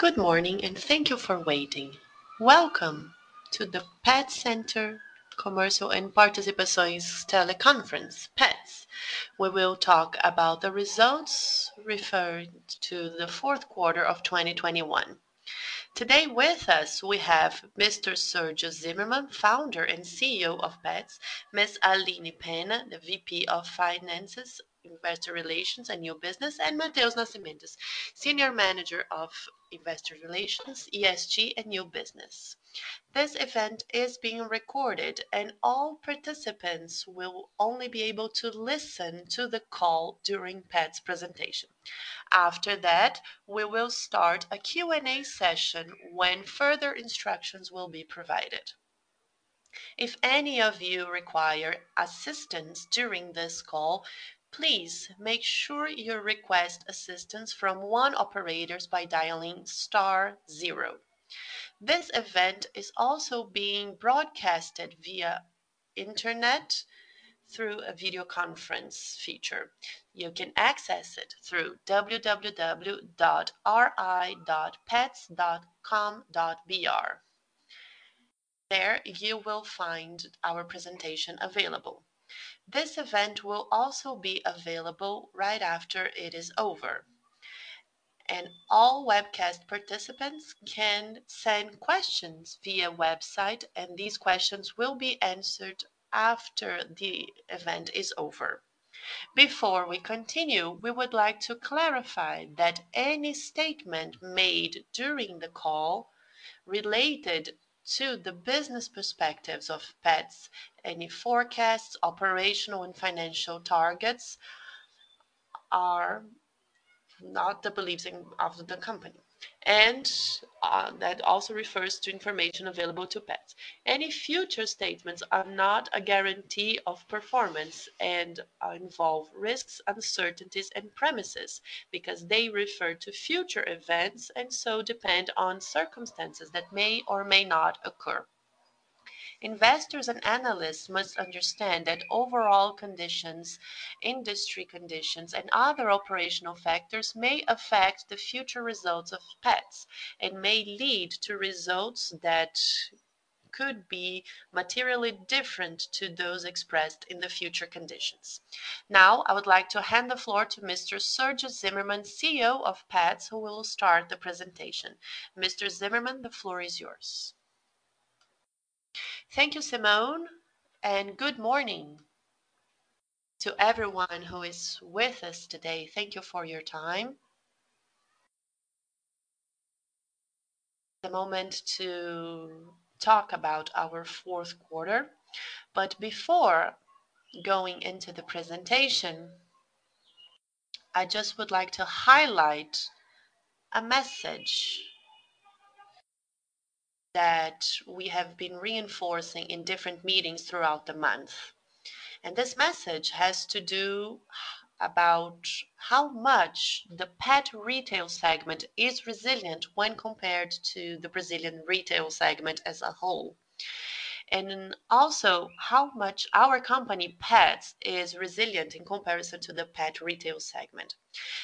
Good morning, and thank you for waiting. Welcome to the Pet Center Comércio e Participações teleconference, Petz. We will talk about the results referred to the fourth quarter of 2021. Today with us we have Mr. Sérgio Zimerman, founder and CEO of Petz, Ms. Aline Penna, the VP of Finance, Investor Relations, and New Business, and Matheus Nascimento, Senior Manager of Investor Relations, ESG, and New Business. This event is being recorded, and all participants will only be able to listen to the call during Petz presentation. After that, we will start a Q&A session when further instructions will be provided. If any of you require assistance during this call, please make sure you request assistance from the operator by dialing star zero. This event is also being broadcast via internet through a video conference feature. You can access it through www.ri.petz.com.br. There you will find our presentation available. This event will also be available right after it is over. All webcast participants can send questions via website, and these questions will be answered after the event is over. Before we continue, we would like to clarify that any statement made during the call related to the business perspectives of Petz, any forecasts, operational and financial targets are not the beliefs of the company. That also refers to information available to Petz. Any future statements are not a guarantee of performance and involve risks, uncertainties, and premises because they refer to future events and so depend on circumstances that may or may not occur. Investors and analysts must understand that overall conditions, industry conditions, and other operational factors may affect the future results of Petz and may lead to results that could be materially different to those expressed in the future conditions. Now I would like to hand the floor to Mr. Sérgio Zimerman, CEO of Petz, who will start the presentation. Mr. Zimerman, the floor is yours. Thank you, Simone, and good morning to everyone who is with us today. Thank you for your time. The moment to talk about our fourth quarter. Before going into the presentation, I just would like to highlight a message that we have been reinforcing in different meetings throughout the month. This message has to do about how much the pet retail segment is resilient when compared to the Brazilian retail segment as a whole. Also how much our company, Petz, is resilient in comparison to the pet retail segment.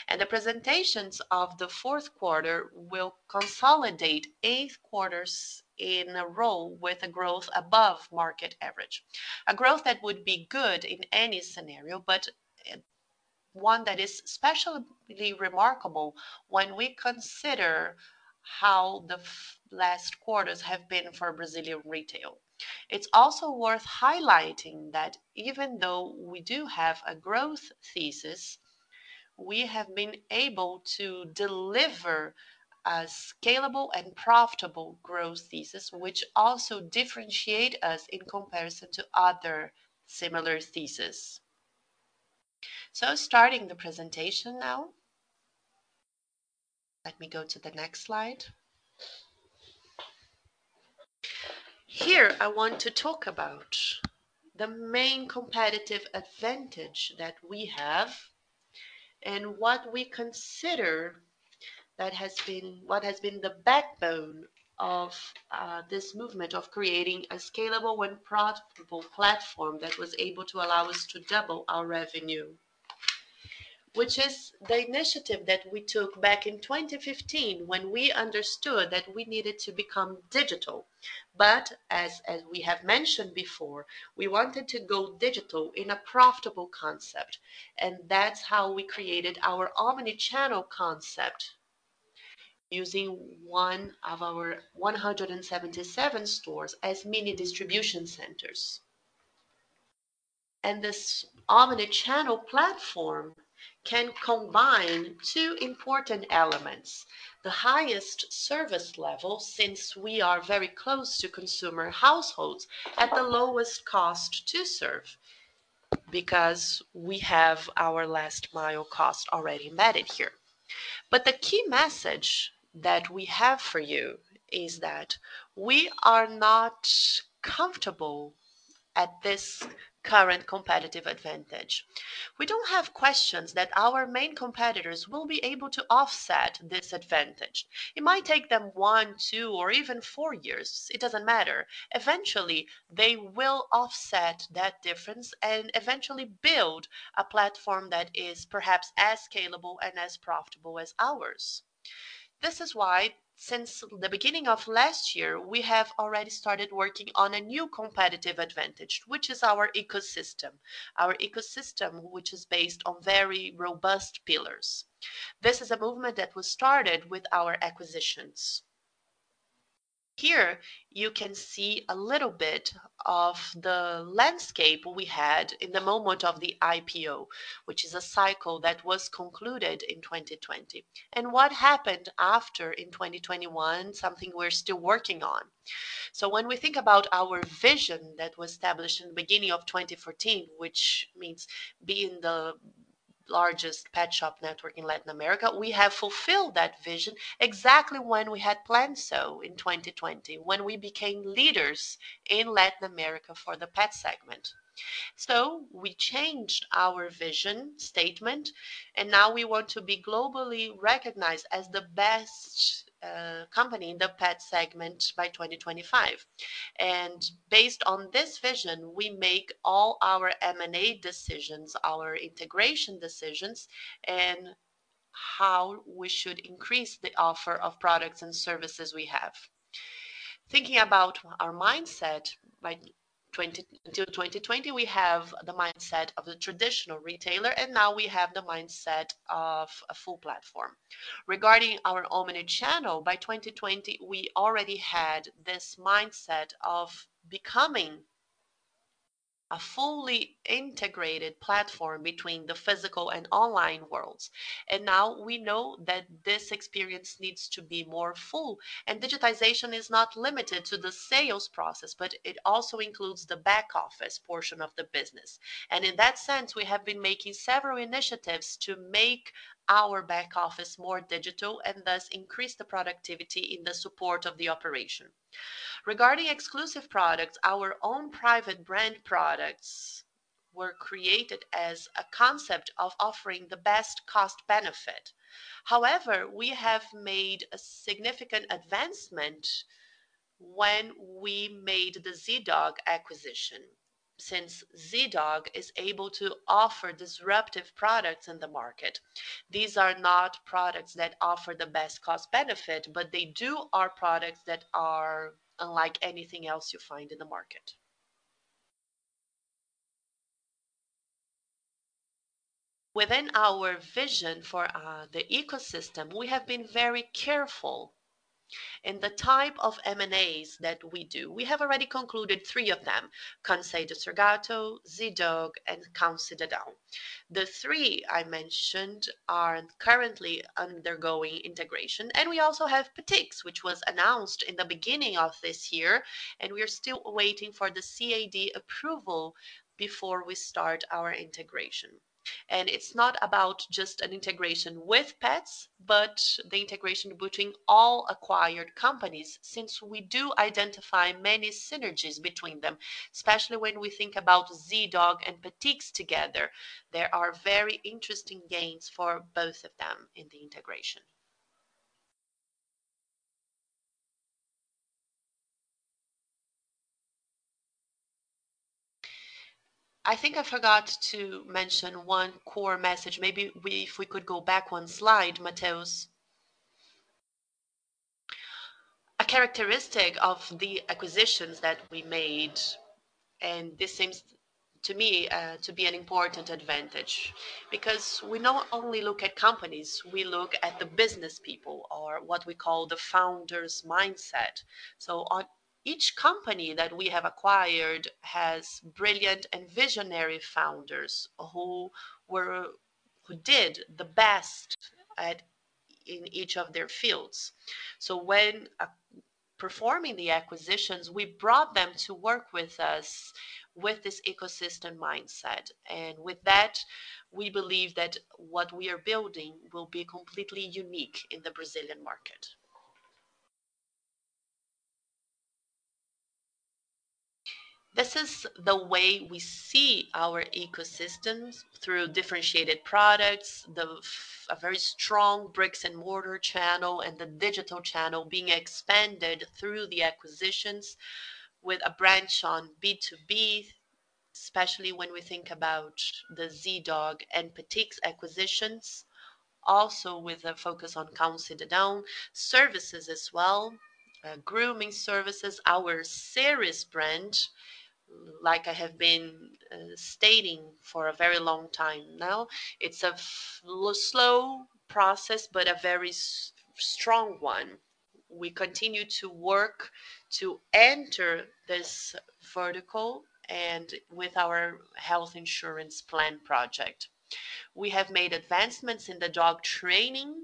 The presentations of the fourth quarter will consolidate eight quarters in a row with a growth above market average. A growth that would be good in any scenario, but one that is especially remarkable when we consider how the last quarters have been for Brazilian retail. It's also worth highlighting that even though we do have a growth thesis, we have been able to deliver a scalable and profitable growth thesis, which also differentiate us in comparison to other similar thesis. Starting the presentation now. Let me go to the next slide. Here I want to talk about the main competitive advantage that we have and what we consider has been the backbone of this movement of creating a scalable and profitable platform that was able to allow us to double our revenue. Which is the initiative that we took back in 2015 when we understood that we needed to become digital. As we have mentioned before, we wanted to go digital in a profitable concept, and that's how we created our omnichannel concept using one of our 177 stores as mini distribution centers. This omnichannel platform can combine two important elements, the highest service level since we are very close to consumer households at the lowest cost to serve because we have our last mile cost already embedded here. The key message that we have for you is that we are not comfortable at this current competitive advantage. We don't have questions that our main competitors will be able to offset this advantage. It might take them one, two, or even four years, it doesn't matter. Eventually, they will offset that difference and eventually build a platform that is perhaps as scalable and as profitable as ours. This is why since the beginning of last year, we have already started working on a new competitive advantage, which is our ecosystem. Our ecosystem, which is based on very robust pillars. This is a movement that was started with our acquisitions. Here you can see a little bit of the landscape we had in the moment of the IPO, which is a cycle that was concluded in 2020. What happened after in 2021, something we're still working on. When we think about our vision that was established in the beginning of 2014, which means being the largest pet shop network in Latin America, we have fulfilled that vision exactly when we had planned so in 2020, when we became leaders in Latin America for the pet segment. We changed our vision statement, and now we want to be globally recognized as the best company in the pet segment by 2025. Based on this vision, we make all our M&A decisions, our integration decisions, and how we should increase the offer of products and services we have. Thinking about our mindset until 2020, we have the mindset of the traditional retailer, and now we have the mindset of a full platform. Regarding our omnichannel, by 2020 we already had this mindset of becoming a fully integrated platform between the physical and online worlds. Now we know that this experience needs to be more full, and digitization is not limited to the sales process, but it also includes the back office portion of the business. In that sense, we have been making several initiatives to make our back office more digital and thus increase the productivity in the support of the operation. Regarding exclusive products, our own private brand products were created as a concept of offering the best cost-benefit. However, we have made a significant advancement when we made the Zee.Dog acquisition. Since Zee.Dog is able to offer disruptive products in the market, these are not products that offer the best cost-benefit, but they are products that are unlike anything else you find in the market. Within our vision for the ecosystem, we have been very careful in the type of M&As that we do. We have already concluded three of them, Cansei de Ser Gato, Zee.Dog and Cão Cidadão. The three I mentioned are currently undergoing integration, and we also have Petix, which was announced in the beginning of this year, and we are still waiting for the CADE approval before we start our integration. It's not about just an integration with Petz, but the integration between all acquired companies since we do identify many synergies between them, especially when we think about Zee.Dog and Petix together. There are very interesting gains for both of them in the integration. I think I forgot to mention one core message. Maybe if we could go back one slide, Matheus. A characteristic of the acquisitions that we made, and this seems to me to be an important advantage because we not only look at companies, we look at the business people or what we call the founder's mindset. On each company that we have acquired has brilliant and visionary founders who did the best in each of their fields. When performing the acquisitions, we brought them to work with us with this ecosystem mindset. With that, we believe that what we are building will be completely unique in the Brazilian market. This is the way we see our ecosystems through differentiated products. A very strong bricks and mortar channel and the digital channel being expanded through the acquisitions with a branch on B2B, especially when we think about the Zee.Dog and Petix acquisitions, also with a focus on Cão Cidadão services as well, grooming services, our Seres brand, like I have been stating for a very long time now. It's a slow process, but a very strong one. We continue to work to enter this vertical and with our health insurance plan project. We have made advancements in the dog training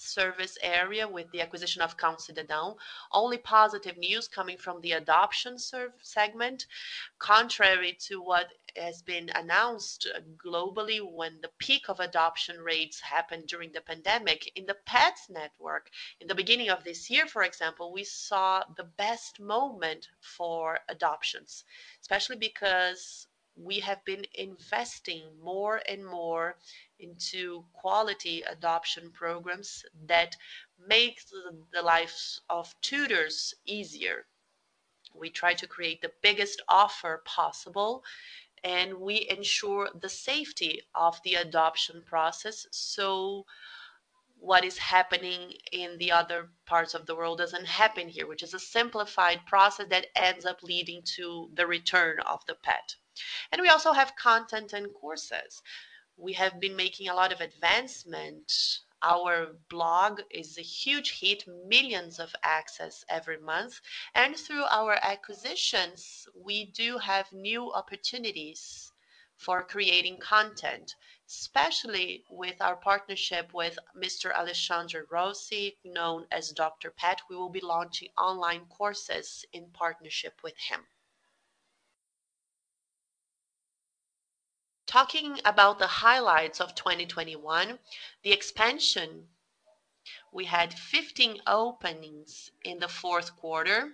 service area with the acquisition of Cão Cidadão. Only positive news coming from the adoption segment. Contrary to what has been announced globally when the peak of adoption rates happened during the pandemic, in the Petz network, in the beginning of this year, for example, we saw the best moment for adoptions, especially because we have been investing more and more into quality adoption programs that make the lives of tutors easier. We try to create the biggest offer possible, and we ensure the safety of the adoption process. What is happening in the other parts of the world doesn't happen here, which is a simplified process that ends up leading to the return of the pet. We also have content and courses. We have been making a lot of advancement. Our blog is a huge hit, millions of access every month. Through our acquisitions, we do have new opportunities for creating content, especially with our partnership with Mr. Alexandre Rossi, known as Dr. Pet. We will be launching online courses in partnership with him. Talking about the highlights of 2021, the expansion, we had 15 openings in the fourth quarter.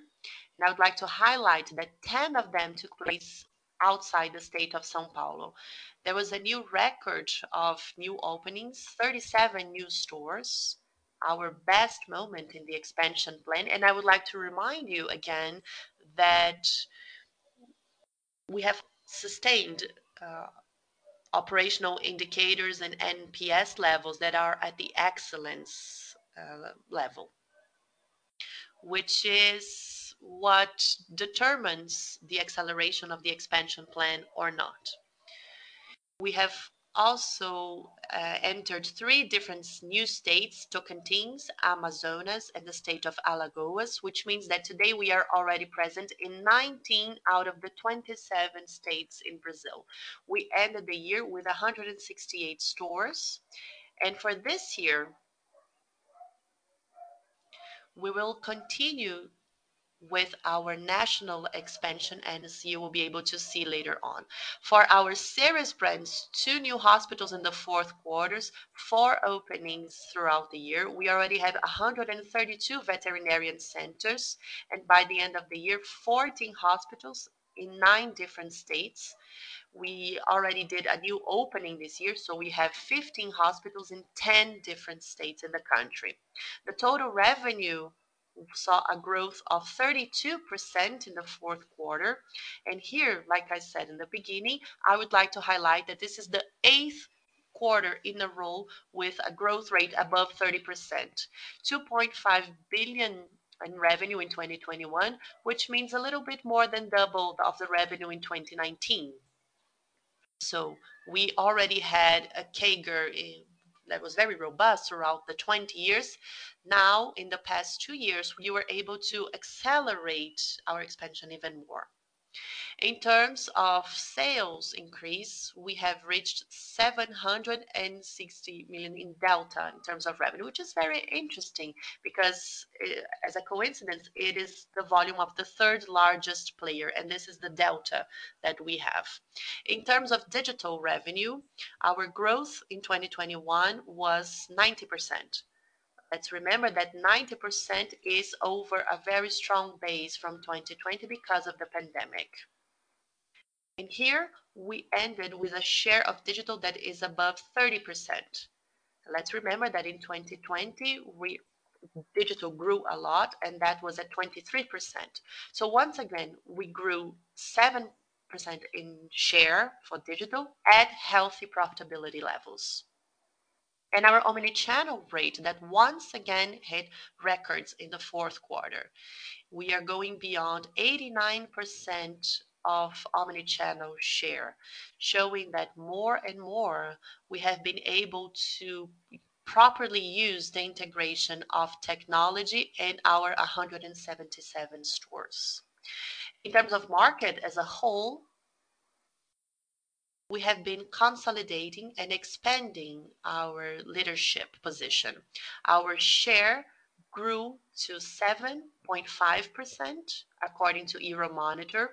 I would like to highlight that 10 of them took place outside the state of São Paulo. There was a new record of new openings, 37 new stores, our best moment in the expansion plan. I would like to remind you again that we have sustained operational indicators and NPS levels that are at the excellence level, which is what determines the acceleration of the expansion plan or not. We have also entered three different new states, Tocantins, Amazonas, and the state of Alagoas, which means that today we are already present in 19 out of the 27 states in Brazil. We ended the year with 168 stores. For this year, we will continue with our national expansion, and as you will be able to see later on. For our Seres brands, two new hospitals in the fourth quarter, four openings throughout the year. We already have 132 veterinary centers, and by the end of the year, 14 hospitals in nine different states. We already did a new opening this year, so we have 15 hospitals in 10 different states in the country. The total revenue saw a growth of 32% in the fourth quarter. Here, like I said in the beginning, I would like to highlight that this is the eighth quarter in a row with a growth rate above 30%. 2.5 billion in revenue in 2021, which means a little bit more than double of the revenue in 2019. We already had a CAGR that was very robust throughout the 20 years. Now, in the past two years, we were able to accelerate our expansion even more. In terms of sales increase, we have reached 760 million in delta in terms of revenue, which is very interesting because, as a coincidence, it is the volume of the third largest player, and this is the delta that we have. In terms of digital revenue, our growth in 2021 was 90%. Let's remember that 90% is over a very strong base from 2020 because of the pandemic. Here we ended with a share of digital that is above 30%. Let's remember that in 2020, digital grew a lot, and that was at 23%. Once again, we grew 7% in share for digital at healthy profitability levels. Our omnichannel rate that once again hit records in the fourth quarter. We are going beyond 89% of omnichannel share, showing that more and more we have been able to properly use the integration of technology in our 177 stores. In terms of market as a whole, we have been consolidating and expanding our leadership position. Our share grew to 7.5% according to Euromonitor,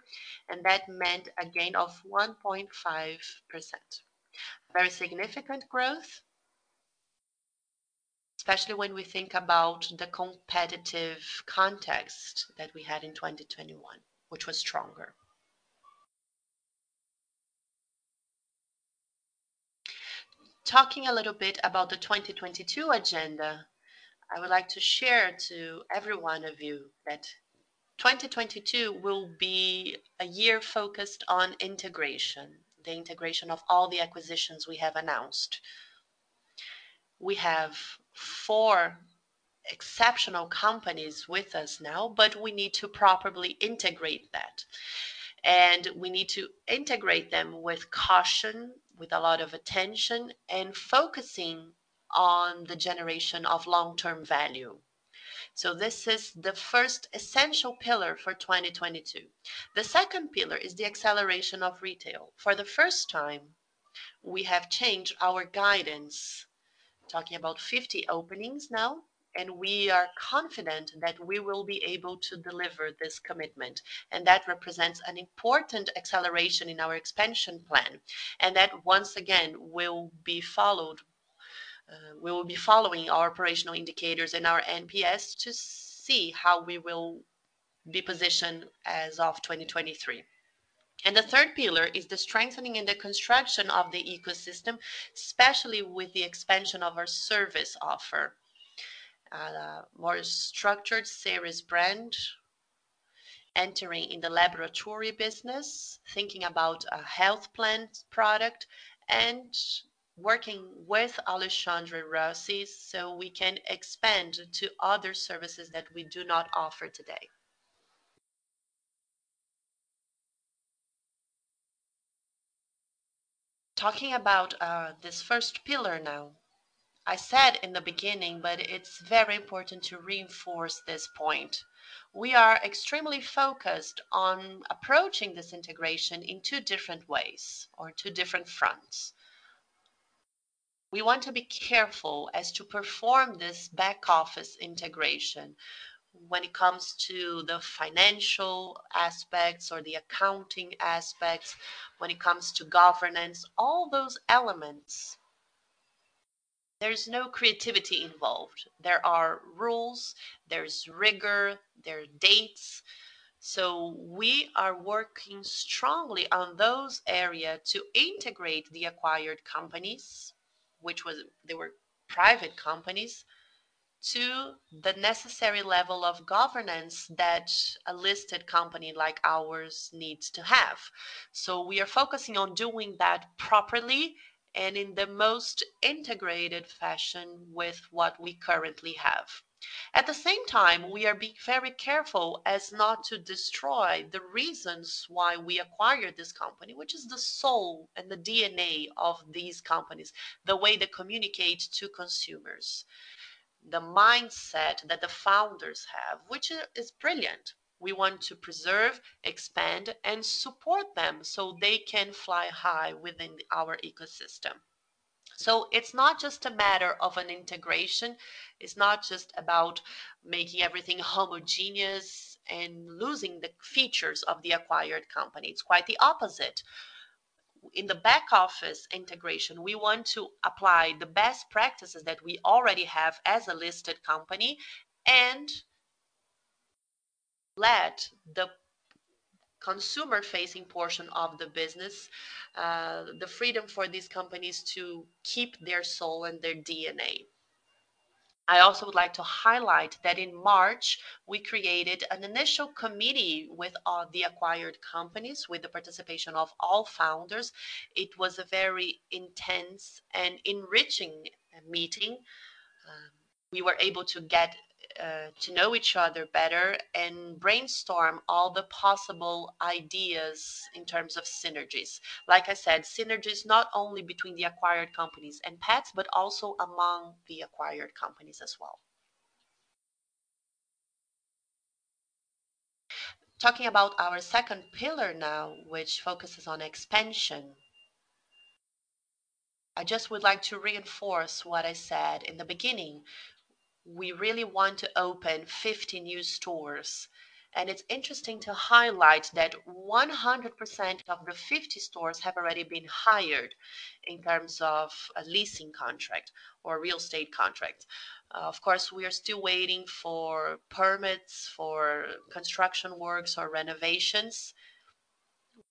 and that meant a gain of 1.5%. Very significant growth, especially when we think about the competitive context that we had in 2021, which was stronger. Talking a little bit about the 2022 agenda, I would like to share to every one of you that 2022 will be a year focused on integration, the integration of all the acquisitions we have announced. We have four exceptional companies with us now, but we need to properly integrate that. We need to integrate them with caution, with a lot of attention, and focusing on the generation of long-term value. So this is the first essential pillar for 2022. The second pillar is the acceleration of retail. For the first time, we have changed our guidance, talking about 50 openings now, and we are confident that we will be able to deliver this commitment. That represents an important acceleration in our expansion plan. that once again will be followed. We will be following our operational indicators and our NPS to see how we will be positioned as of 2023. The third pillar is the strengthening and the construction of the ecosystem, especially with the expansion of our service offer. More structured Seres brand entering in the laboratory business, thinking about a health plan product and working with Alexandre Rossi, so we can expand to other services that we do not offer today. Talking about this first pillar now. I said in the beginning, but it's very important to reinforce this point. We are extremely focused on approaching this integration in two different ways or two different fronts. We want to be careful as to perform this back office integration when it comes to the financial aspects or the accounting aspects, when it comes to governance, all those elements. There's no creativity involved. There are rules, there's rigor, there are dates. We are working strongly on those areas to integrate the acquired companies, they were private companies, to the necessary level of governance that a listed company like ours needs to have. We are focusing on doing that properly and in the most integrated fashion with what we currently have. At the same time, we are being very careful as not to destroy the reasons why we acquired this company, which is the soul and the DNA of these companies, the way they communicate to consumers. The mindset that the founders have, which is brilliant. We want to preserve, expand, and support them so they can fly high within our ecosystem. It's not just a matter of an integration. It's not just about making everything homogeneous and losing the features of the acquired company. It's quite the opposite. In the back office integration, we want to apply the best practices that we already have as a listed company and let the consumer-facing portion of the business, the freedom for these companies to keep their soul and their DNA. I also would like to highlight that in March, we created an initial committee with all the acquired companies with the participation of all founders. It was a very intense and enriching meeting. We were able to get to know each other better and brainstorm all the possible ideas in terms of synergies. Like I said, synergies not only between the acquired companies and Petz, but also among the acquired companies as well. Talking about our second pillar now, which focuses on expansion. I just would like to reinforce what I said in the beginning. We really want to open 50 new stores. It's interesting to highlight that 100% of the 50 stores have already been hired in terms of a leasing contract or real estate contract. Of course, we are still waiting for permits for construction works or renovations,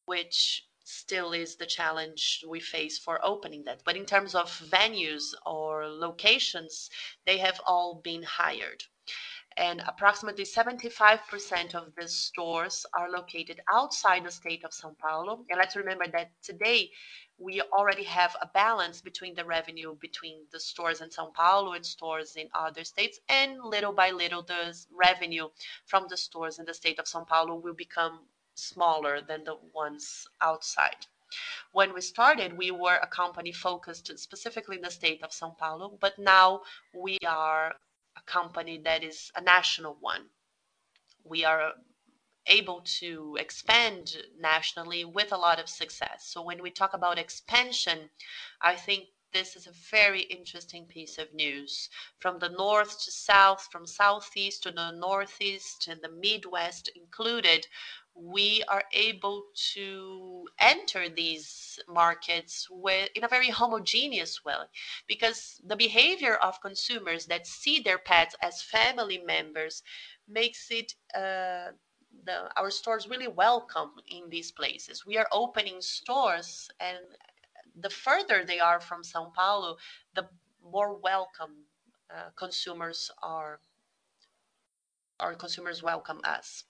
which still is the challenge we face for opening that. In terms of venues or locations, they have all been hired. Approximately 75% of the stores are located outside the state of São Paulo. Let's remember that today we already have a balance between the revenue between the stores in São Paulo and stores in other states. Little by little, the revenue from the stores in the state of São Paulo will become smaller than the ones outside. When we started, we were a company focused specifically in the state of São Paulo, but now we are a company that is a national one. We are able to expand nationally with a lot of success. When we talk about expansion, I think this is a very interesting piece of news. From the north to south, from southeast to the northeast, and the Midwest included, we are able to enter these markets with in a very homogeneous way. Because the behavior of consumers that see their pets as family members makes it our stores really welcome in these places. We are opening stores, and the further they are from São Paulo, the more our consumers welcome us.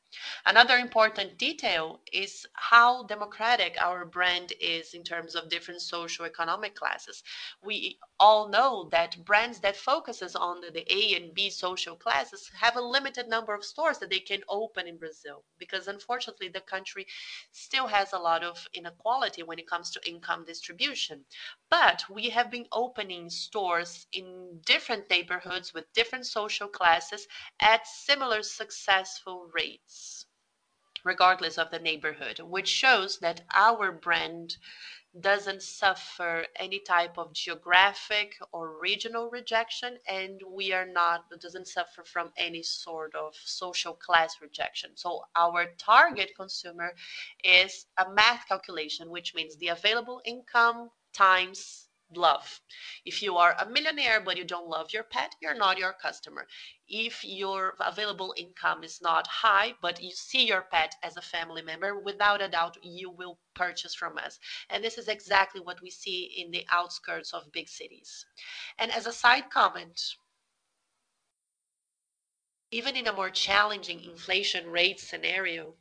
Another important detail is how democratic our brand is in terms of different socioeconomic classes. We all know that brands that focuses on the A and B social classes have a limited number of stores that they can open in Brazil, because unfortunately, the country still has a lot of inequality when it comes to income distribution. We have been opening stores in different neighborhoods with different social classes at similar successful rates. Regardless of the neighborhood, which shows that our brand doesn't suffer any type of geographic or regional rejection, it doesn't suffer from any sort of social class rejection. Our target consumer is a math calculation, which means the available income x love. If you are a millionaire but you don't love your pet, you're not our customer. If your available income is not high, but you see your pet as a family member, without a doubt, you will purchase from us. This is exactly what we see in the outskirts of big cities. As a side comment, even in a more challenging inflation rate scenario,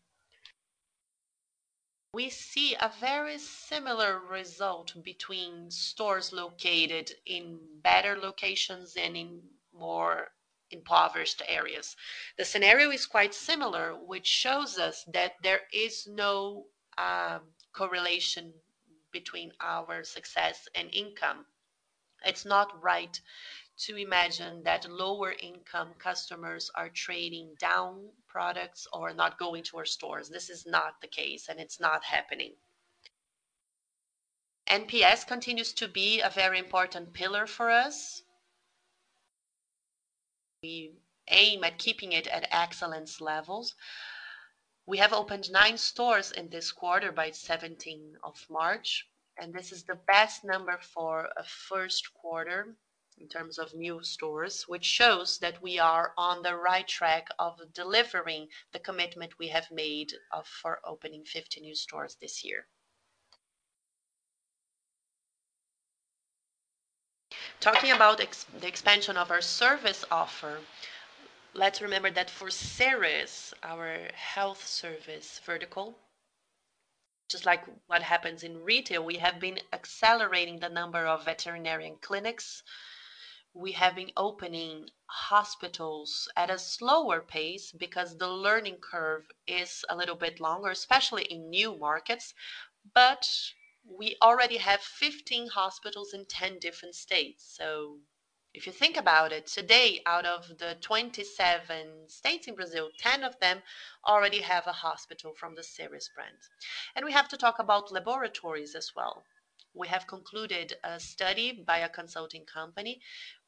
we see a very similar result between stores located in better locations and in more impoverished areas. The scenario is quite similar, which shows us that there is no correlation between our success and income. It's not right to imagine that lower income customers are trading down products or not going to our stores. This is not the case, and it's not happening. NPS continues to be a very important pillar for us. We aim at keeping it at excellence levels. We have opened nine stores in this quarter by 17th of March, and this is the best number for a first quarter in terms of new stores, which shows that we are on the right track of delivering the commitment we have made of opening 50 new stores this year. Talking about the expansion of our service offer, let's remember that for Seres, our health service vertical, just like what happens in retail, we have been accelerating the number of veterinary clinics. We have been opening hospitals at a slower pace because the learning curve is a little bit longer, especially in new markets. We already have 15 hospitals in 10 different states. If you think about it, today, out of the 27 states in Brazil, 10 of them already have a hospital from the Seres brand. We have to talk about laboratories as well. We have concluded a study by a consulting company.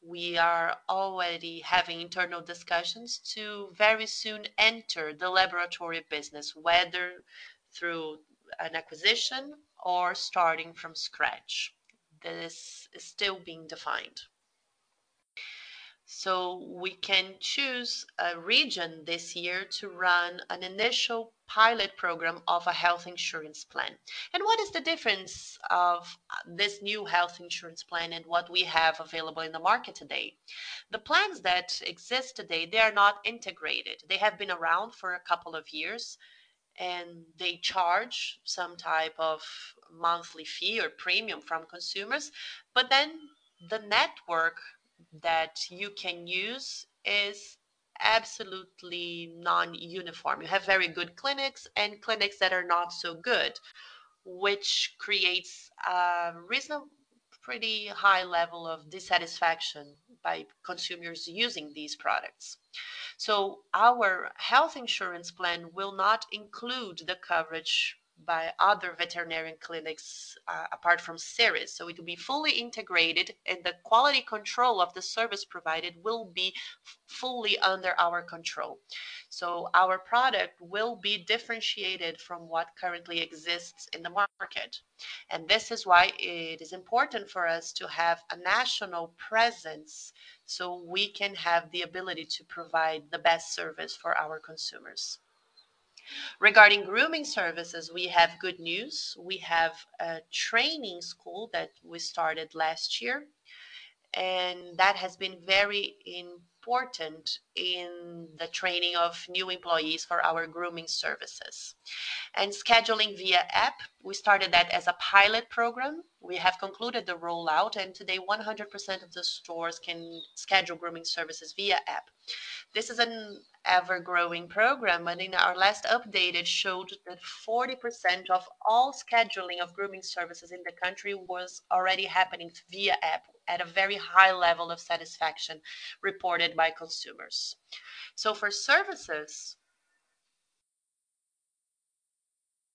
We are already having internal discussions to very soon enter the laboratory business, whether through an acquisition or starting from scratch. This is still being defined. We can choose a region this year to run an initial pilot program of a health insurance plan. What is the difference of this new health insurance plan and what we have available in the market today? The plans that exist today, they are not integrated. They have been around for a couple of years, and they charge some type of monthly fee or premium from consumers. Then the network that you can use is absolutely non-uniform. You have very good clinics and clinics that are not so good, which creates pretty high level of dissatisfaction by consumers using these products. Our health insurance plan will not include the coverage by other veterinarian clinics apart from Seres. It will be fully integrated, and the quality control of the service provided will be fully under our control. Our product will be differentiated from what currently exists in the market. This is why it is important for us to have a national presence, so we can have the ability to provide the best service for our consumers. Regarding grooming services, we have good news. We have a training school that we started last year, and that has been very important in the training of new employees for our grooming services. Scheduling via app, we started that as a pilot program. We have concluded the rollout, and today 100% of the stores can schedule grooming services via app. This is an ever-growing program, and in our last update, it showed that 40% of all scheduling of grooming services in the country was already happening via app at a very high level of satisfaction reported by consumers. For services,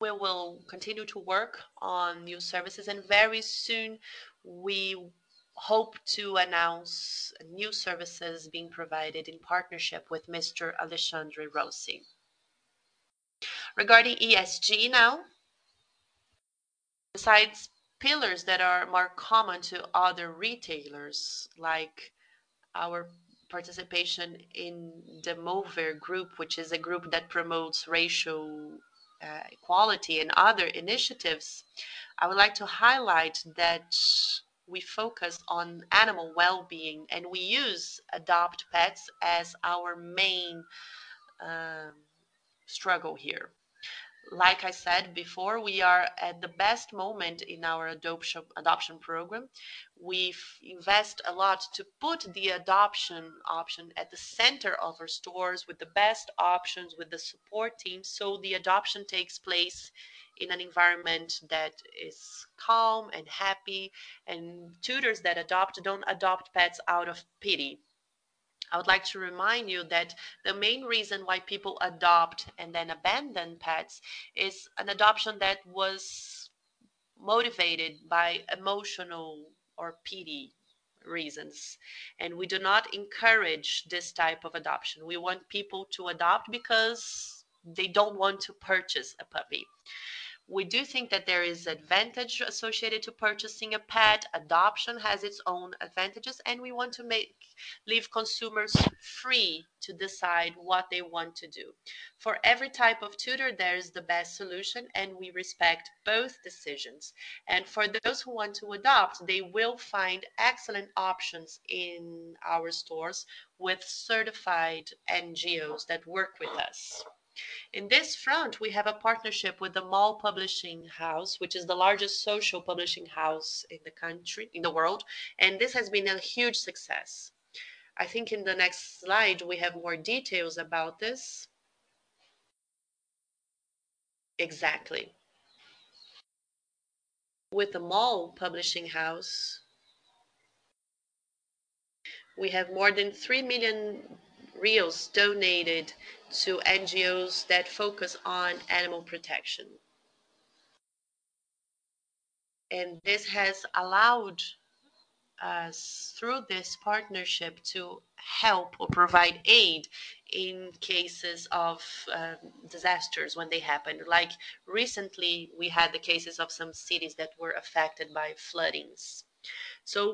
we will continue to work on new services, and very soon we hope to announce new services being provided in partnership with Mr. Alexandre Rossi. Regarding ESG now, besides pillars that are more common to other retailers, like our participation in the Mover Group, which is a group that promotes racial equality and other initiatives, I would like to highlight that we focus on animal well-being, and we use Adote Petz as our main struggle here. Like I said before, we are at the best moment in our adoption program. We've invested a lot to put the adoption option at the center of our stores with the best options, with the support team, so the adoption takes place in an environment that is calm and happy. Tutors that adopt don't adopt pets out of pity. I would like to remind you that the main reason why people adopt and then abandon pets is an adoption that was motivated by emotional or pity reasons, and we do not encourage this type of adoption. We want people to adopt because they don't want to purchase a puppy. We do think that there is advantage associated to purchasing a pet. Adoption has its own advantages, and we want to leave consumers free to decide what they want to do. For every type of tutor, there is the best solution, and we respect both decisions. For those who want to adopt, they will find excellent options in our stores with certified NGOs that work with us. In this front, we have a partnership with MOL Publishing House, which is the largest social publishing house in the world, and this has been a huge success. I think in the next slide, we have more details about this. Exactly. With MOL Publishing House, we have more than 3 million donated to NGOs that focus on animal protection. This has allowed us, through this partnership, to help or provide aid in cases of disasters when they happen. Like recently, we had the cases of some cities that were affected by floodings.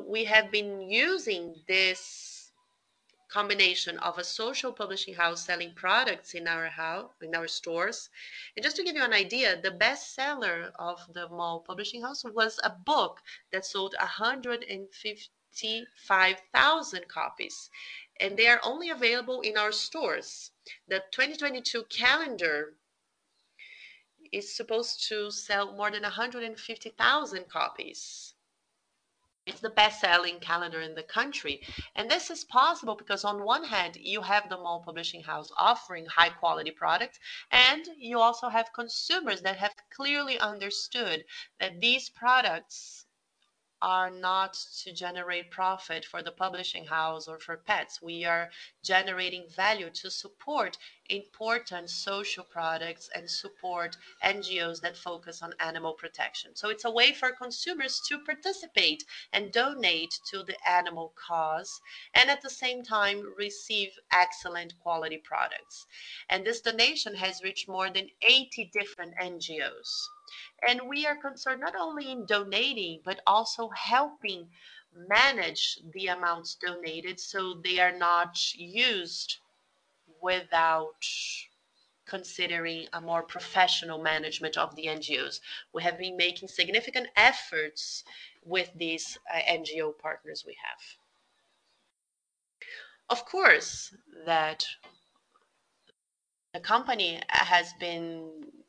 We have been using this combination of a social publishing house selling products in our stores. Just to give you an idea, the best seller of MOL Publishing House was a book that sold 155,000 copies, and they are only available in our stores. The 2022 calendar is supposed to sell more than 150,000 copies. It's the best-selling calendar in the country. This is possible because on one hand, you have MOL Publishing House offering high-quality products, and you also have consumers that have clearly understood that these products are not to generate profit for the publishing house or for Petz. We are generating value to support important social products and support NGOs that focus on animal protection. It's a way for consumers to participate and donate to the animal cause and at the same time receive excellent quality products. This donation has reached more than 80 different NGOs. We are concerned not only in donating, but also helping manage the amounts donated so they are not used without considering a more professional management of the NGOs. We have been making significant efforts with these NGO partners we have. Of course, that the company has been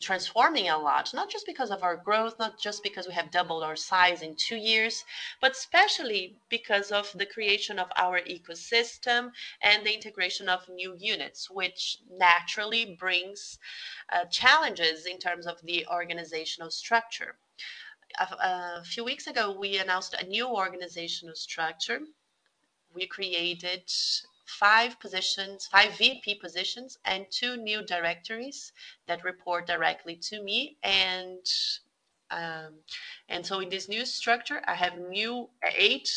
transforming a lot, not just because of our growth, not just because we have doubled our size in two years, but especially because of the creation of our ecosystem and the integration of new units, which naturally brings challenges in terms of the organizational structure. A few weeks ago, we announced a new organizational structure. We created five VP positions and two new directories that report directly to me. In this new structure, I have now eight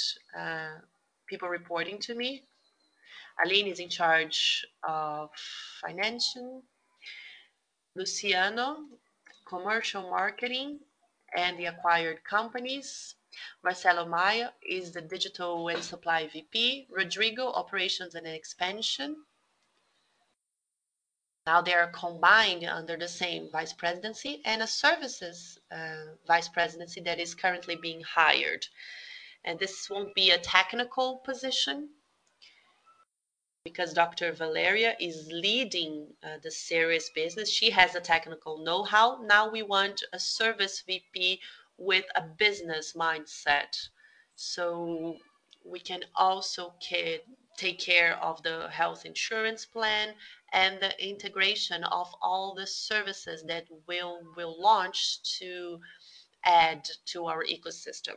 people reporting to me. Aline is in charge of financial. Luciano, Commercial Marketing and the acquired companies. Marcelo Maia is the Digital and Supply VP. Rodrigo, Operations and Expansion. Now they are combined under the same vice presidency and a services vice presidency that is currently being hired. This won't be a technical position because Dr. Valeria is leading the Seres business. She has a technical know-how. Now we want a service VP with a business mindset, so we can also take care of the health insurance plan and the integration of all the services that we'll launch to add to our ecosystem.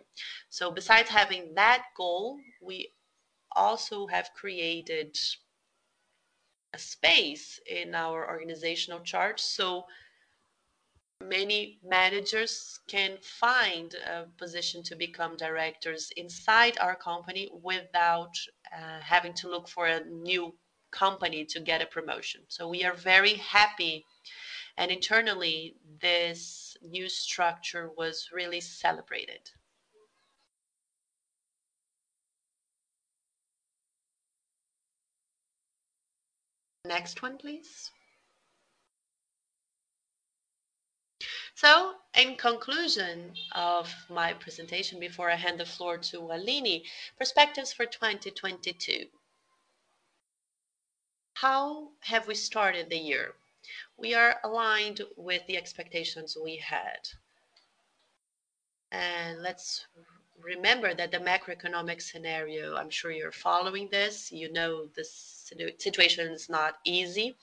Besides having that goal, we also have created a space in our organizational chart so many managers can find a position to become directors inside our company without having to look for a new company to get a promotion. We are very happy, and internally, this new structure was really celebrated. Next one, please. In conclusion of my presentation, before I hand the floor to Aline, perspectives for 2022. How have we started the year? We are aligned with the expectations we had. Let's remember that the macroeconomic scenario, I'm sure you're following this, you know this situation is not easy.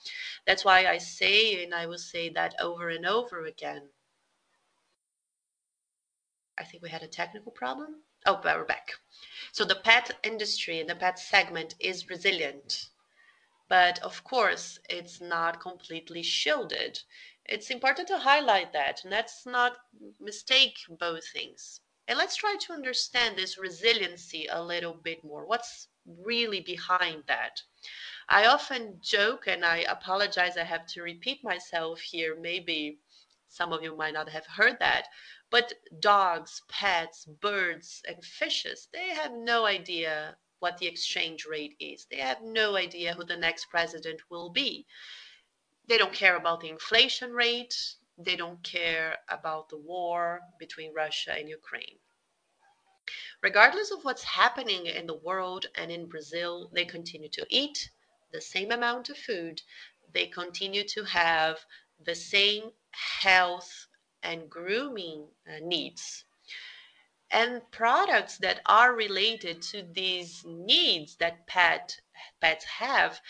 That's why I say, and I will say that over and over again. I think we had a technical problem. Oh, we're back. The pet industry and the pet segment is resilient, but of course, it's not completely shielded. It's important to highlight that. Let's not mistake both things, and let's try to understand this resiliency a little bit more. What's really behind that? I often joke, and I apologize I have to repeat myself here. Maybe some of you might not have heard that. Dogs, pets, birds and fishes, they have no idea what the exchange rate is. They have no idea who the next president will be. They don't care about the inflation rate. They don't care about the war between Russia and Ukraine. Regardless of what's happening in the world and in Brazil, they continue to eat the same amount of food. They continue to have the same health and grooming needs. Products that are related to these needs that pets have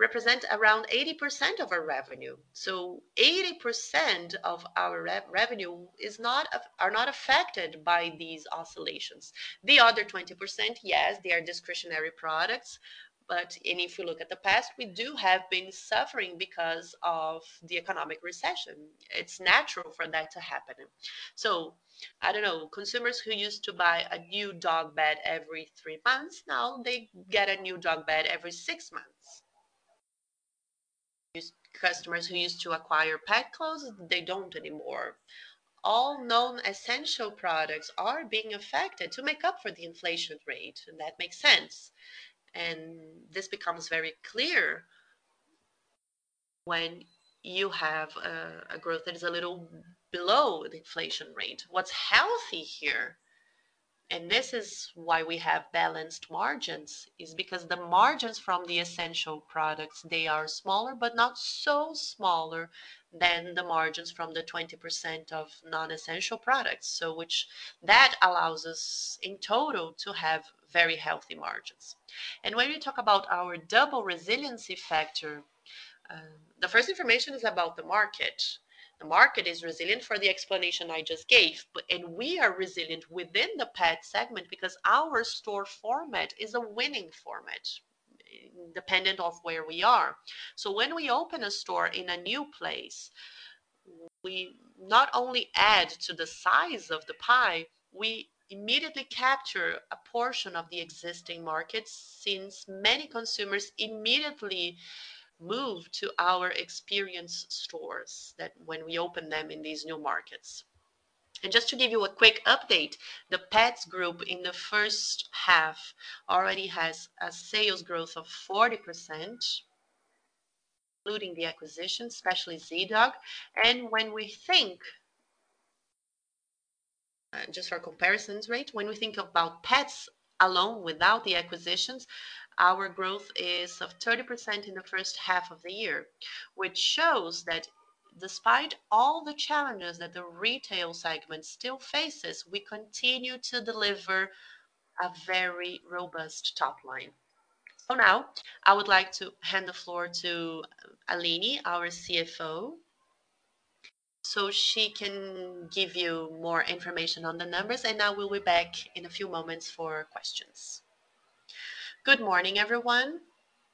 represent around 80% of our revenue. 80% of our revenue are not affected by these oscillations. The other 20%, yes, they are discretionary products, but if you look at the past, we do have been suffering because of the economic recession. It's natural for that to happen. I don't know. Consumers who used to buy a new dog bed every three months, now they get a new dog bed every six months. Customers who used to acquire pet clothes, they don't anymore. All non-essential products are being affected to make up for the inflation rate, and that makes sense. This becomes very clear when you have a growth that is a little below the inflation rate. What's healthy here, and this is why we have balanced margins, is because the margins from the essential products, they are smaller, but not so smaller than the margins from the 20% of non-essential products. That allows us in total to have very healthy margins. When we talk about our double resiliency factor, the first information is about the market. The market is resilient for the explanation I just gave, and we are resilient within the pet segment because our store format is a winning format dependent on where we are. When we open a store in a new place, we not only add to the size of the pie, we immediately capture a portion of the existing market since many consumers immediately move to our experience stores that when we open them in these new markets. Just to give you a quick update, the Petz group in the first half already has a sales growth of 40%, including the acquisition, especially Zee.Dog. When we think, just for comparison's sake, when we think about pets alone without the acquisitions, our growth is 30% in the first half of the year, which shows that despite all the challenges that the retail segment still faces, we continue to deliver a very robust top line. Now I would like to hand the floor to Aline, our CFO, so she can give you more information on the numbers. I will be back in a few moments for questions. Good morning, everyone.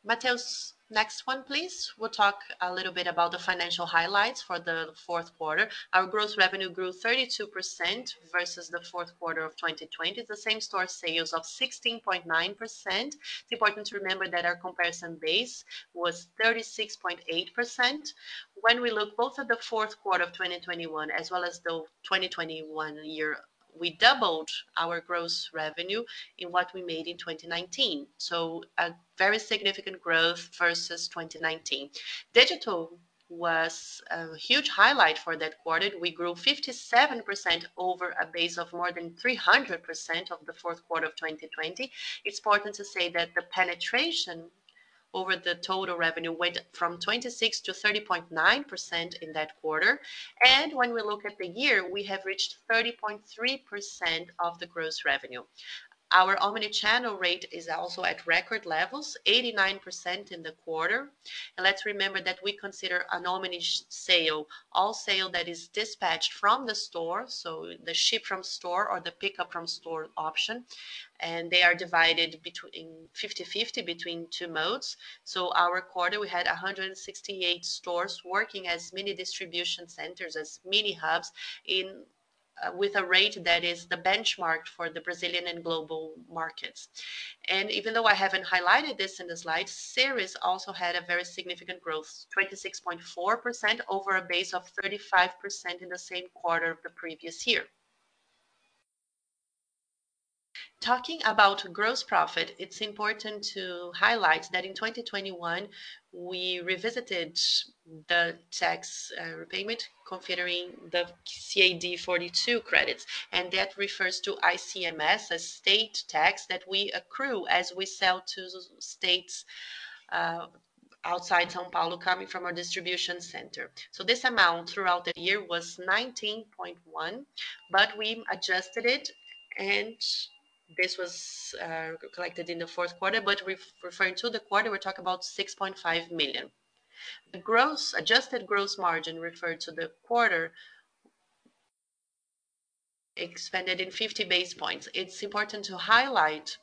Matheus, next one, please. We'll talk a little bit about the financial highlights for the fourth quarter. Our gross revenue grew 32% versus the fourth quarter of 2020. The same-store sales of 16.9%. It's important to remember that our comparison base was 36.8%. When we look both at the fourth quarter of 2021, as well as the 2021 year, we doubled our gross revenue in what we made in 2019. A very significant growth versus 2019. Digital was a huge highlight for that quarter. We grew 57% over a base of more than 300% of the fourth quarter of 2020. It's important to say that the penetration over the total revenue went from 26% to 30.9% in that quarter. When we look at the year, we have reached 30.3% of the gross revenue. Our omnichannel rate is also at record levels, 89% in the quarter. Let's remember that we consider an omnichannel sale all sale that is dispatched from the store, so the ship from store or the pickup from store option, and they are divided between. 50/50 between two modes. Our quarter, we had 168 stores working as mini distribution centers, as mini hubs in with a rate that is the benchmark for the Brazilian and global markets. Even though I haven't highlighted this in the slides, Seres also had a very significant growth, 26.4% over a base of 35% in the same quarter of the previous year. Talking about gross profit, it's important to highlight that in 2021 we revisited the tax repayment considering the CADE 42 credits, and that refers to ICMS, a state tax that we accrue as we sell to these states outside São Paulo coming from our distribution center. This amount throughout the year was 19.1 million, but we adjusted it. This was collected in the fourth quarter, but referring to the quarter, we're talking about 6.5 million. The adjusted gross margin referred to the quarter expanded in 50 basis points. It's important to highlight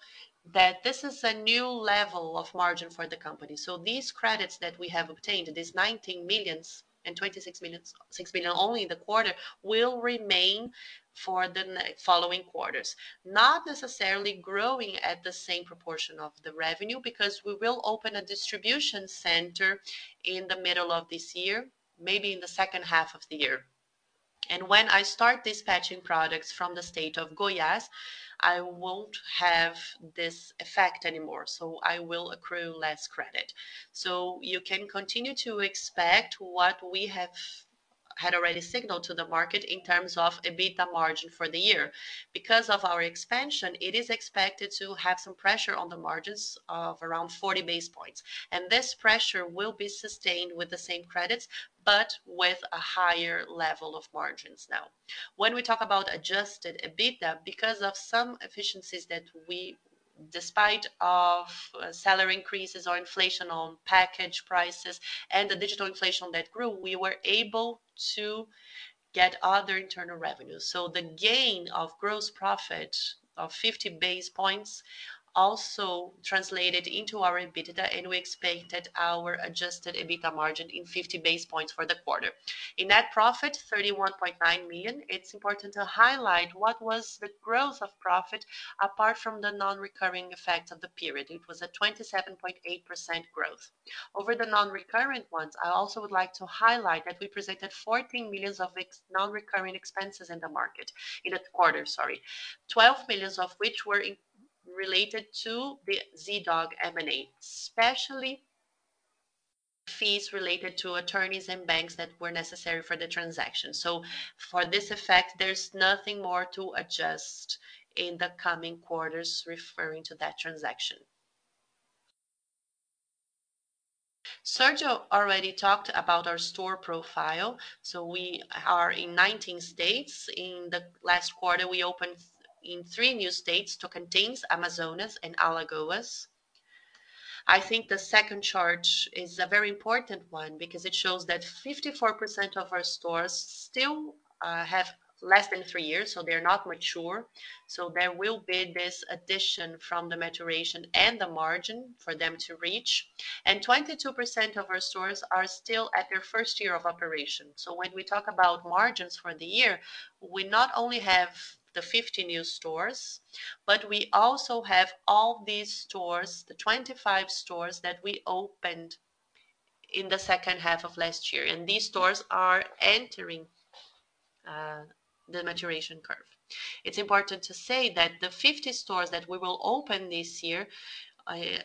that this is a new level of margin for the company. These credits that we have obtained, these 19 million and 26 million, 6 million only in the quarter, will remain for the following quarters. Not necessarily growing at the same proportion of the revenue, because we will open a distribution center in the middle of this year, maybe in the second half of the year. When I start dispatching products from the state of Goiás, I won't have this effect anymore, so I will accrue less credit. You can continue to expect what we had already signaled to the market in terms of EBITDA margin for the year. Because of our expansion, it is expected to have some pressure on the margins of around 40 basis points, and this pressure will be sustained with the same credits, but with a higher level of margins now. When we talk about adjusted EBITDA, because of some efficiencies that despite salary increases or inflation on package prices and the digital inflation that grew, we were able to get other internal revenues. The gain of gross profit of 50 basis points also translated into our EBITDA, and we expected our adjusted EBITDA margin in 50 basis points for the quarter. In net profit, 31.9 million. It's important to highlight what was the growth of profit apart from the non-recurring effects of the period. It was a 27.8% growth. Over the non-recurrent ones, I also would like to highlight that we presented 14 million of non-recurring expenses in the quarter, sorry. 12 million of which were related to the Zee.Dog M&A, especially fees related to attorneys and banks that were necessary for the transaction. For this effect, there's nothing more to adjust in the coming quarters referring to that transaction. Sérgio already talked about our store profile, so we are in 19 states. In the last quarter, we opened in three new states Tocantins, Amazonas, and Alagoas. I think the second chart is a very important one because it shows that 54% of our stores still have less than three years, so they're not mature. There will be this addition from the maturation and the margin for them to reach. 22% of our stores are still at their first year of operation. When we talk about margins for the year, we not only have the 50 new stores, but we also have all these stores, the 25 stores that we opened in the second half of last year, and these stores are entering the maturation curve. It's important to say that the 50 stores that we will open this year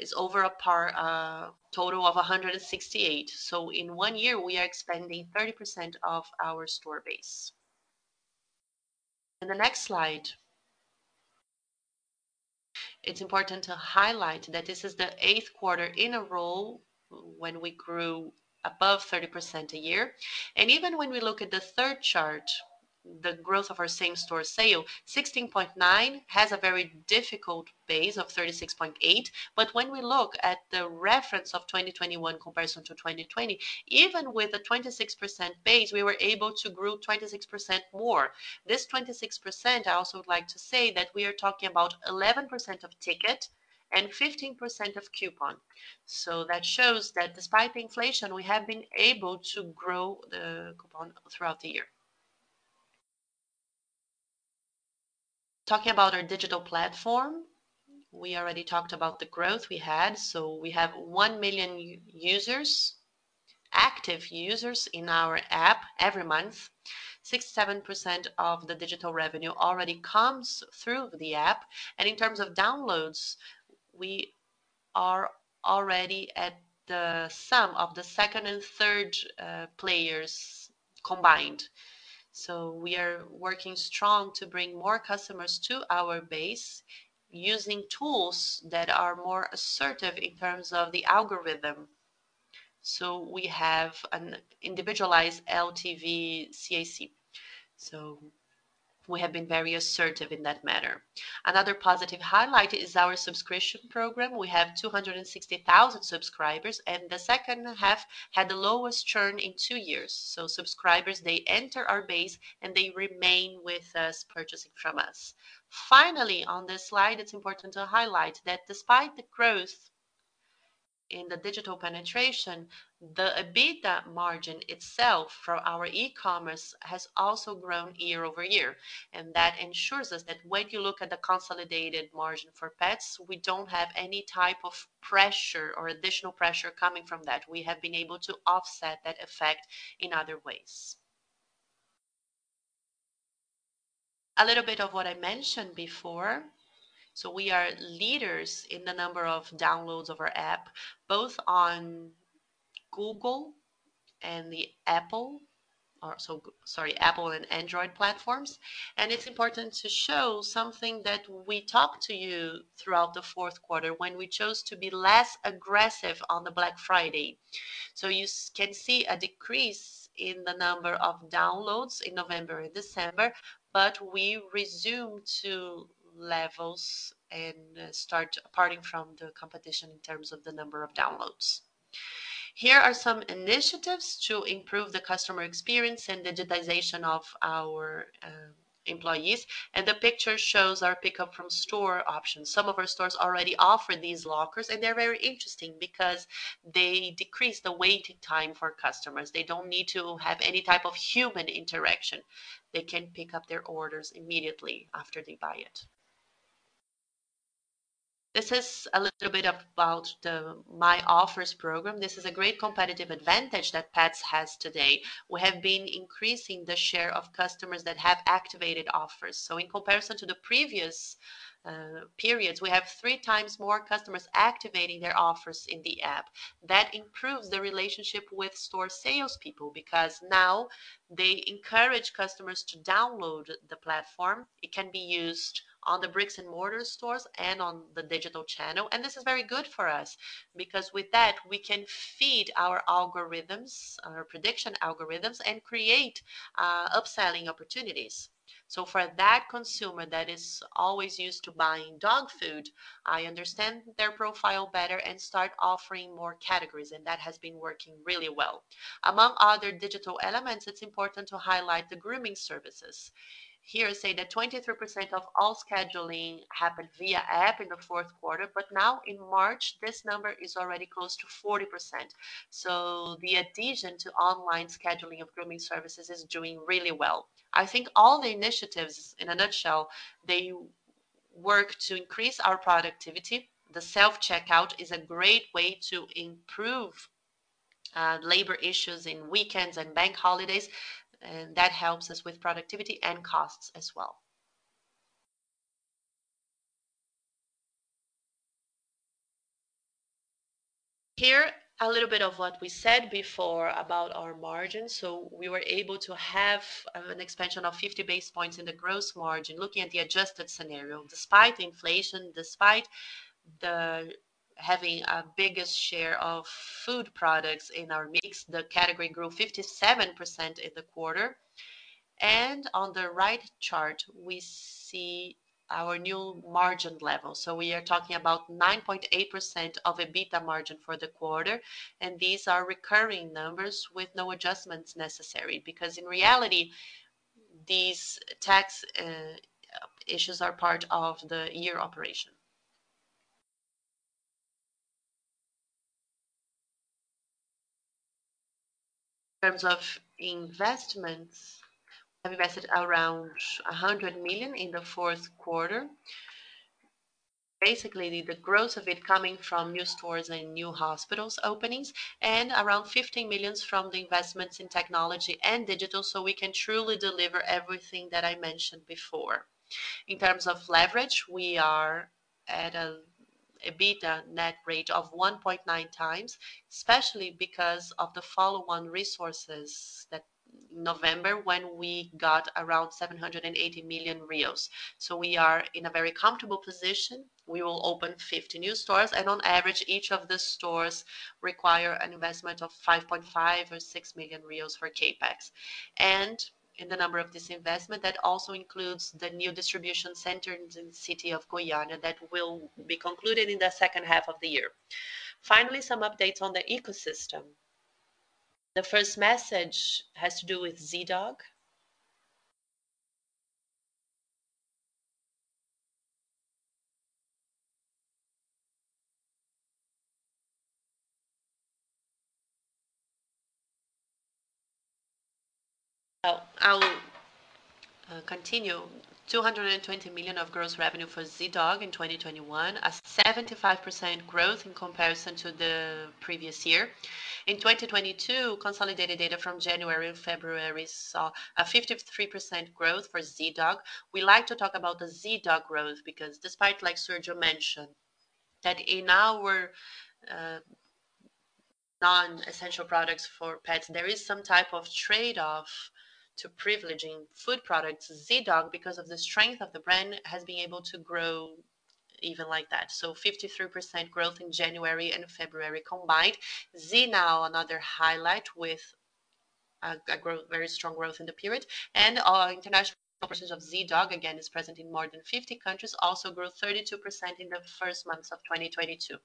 is over a total of 168. In one year, we are expanding 30% of our store base. In the next slide, it's important to highlight that this is the eighth quarter in a row when we grew above 30% a year. Even when we look at the third chart, the growth of our same-store sale, 16.9% has a very difficult base of 36.8%. When we look at the reference of 2021 comparison to 2020, even with a 26% base, we were able to grow 26% more. This 26%, I also would like to say that we are talking about 11% of ticket and 15% of coupon. That shows that despite the inflation, we have been able to grow the coupon throughout the year. Talking about our digital platform, we already talked about the growth we had. We have 1 million users, active users in our app every month. 67% of the digital revenue already comes through the app. In terms of downloads, we are already at the sum of the second and third players combined. We are working strong to bring more customers to our base using tools that are more assertive in terms of the algorithm. We have an individualized LTV/CAC. We have been very assertive in that matter. Another positive highlight is our subscription program. We have 260,000 subscribers, and the second half had the lowest churn in two years. Subscribers, they enter our base, and they remain with us, purchasing from us. Finally, on this slide, it's important to highlight that despite the growth in the digital penetration, the EBITDA margin itself for our e-commerce has also grown year-over-year. That ensures us that when you look at the consolidated margin for pets, we don't have any type of pressure or additional pressure coming from that. We have been able to offset that effect in other ways. A little bit of what I mentioned before. We are leaders in the number of downloads of our app, both on Google and Apple and Android platforms. It's important to show something that we talked to you throughout the fourth quarter when we chose to be less aggressive on the Black Friday. You can see a decrease in the number of downloads in November and December, but we resume to levels and start parting from the competition in terms of the number of downloads. Here are some initiatives to improve the customer experience and digitization of our employees, and the picture shows our pickup from store options. Some of our stores already offer these lockers, and they're very interesting because they decrease the waiting time for customers. They don't need to have any type of human interaction. They can pick up their orders immediately after they buy it. This is a little bit about the My Offers program. This is a great competitive advantage that Petz has today. We have been increasing the share of customers that have activated offers. In comparison to the previous periods, we have three times more customers activating their offers in the app. That improves the relationship with store salespeople because now they encourage customers to download the platform. It can be used on the bricks-and-mortar stores and on the digital channel. This is very good for us because with that, we can feed our algorithms, our prediction algorithms, and create upselling opportunities. For that consumer that is always used to buying dog food, I understand their profile better and start offering more categories, and that has been working really well. Among other digital elements, it's important to highlight the grooming services. Here, say that 23% of all scheduling happened via app in the fourth quarter, but now in March, this number is already close to 40%. The addition to online scheduling of grooming services is doing really well. I think all the initiatives, in a nutshell, they work to increase our productivity. The self-checkout is a great way to improve labor issues in weekends and bank holidays. That helps us with productivity and costs as well. Here, a little bit of what we said before about our margins. We were able to have an expansion of 50 basis points in the gross margin looking at the adjusted scenario despite inflation, despite having a biggest share of food products in our mix. The category grew 57% in the quarter. On the right chart, we see our new margin level. We are talking about 9.8% EBITDA margin for the quarter, and these are recurring numbers with no adjustments necessary because in reality, these tax issues are part of the year operation. In terms of investments, we invested around 100 million in the fourth quarter. Basically, the growth of it coming from new stores and new hospitals openings and around 15 million from the investments in technology and digital, so we can truly deliver everything that I mentioned before. In terms of leverage, we are at a EBITDA net rate of 1.9 times, especially because of the follow-on resources that November when we got around 780 million. We are in a very comfortable position. We will open 50 new stores, and on average, each of the stores require an investment of 5.5 or 6 million for CapEx. In the number of this investment, that also includes the new distribution center in the city of Goiânia that will be concluded in the second half of the year. Finally, some updates on the ecosystem. The first message has to do with Zee.Dog. I'll continue. 200 million of gross revenue for Zee.Dog in 2021, a 75% growth in comparison to the previous year. In 2022, consolidated data from January and February saw a 53% growth for Zee.Dog. We like to talk about the Zee.Dog growth because despite, like Sérgio mentioned, that in our non-essential products for pets, there is some type of trade-off to privileging food products. Zee.Dog, because of the strength of the brand, has been able to grow even like that. 53% growth in January and February combined. Zee.Now, another highlight with very strong growth in the period. Our international operations of Zee.Dog, again, is present in more than 50 countries, also grew 32% in the first months of 2022.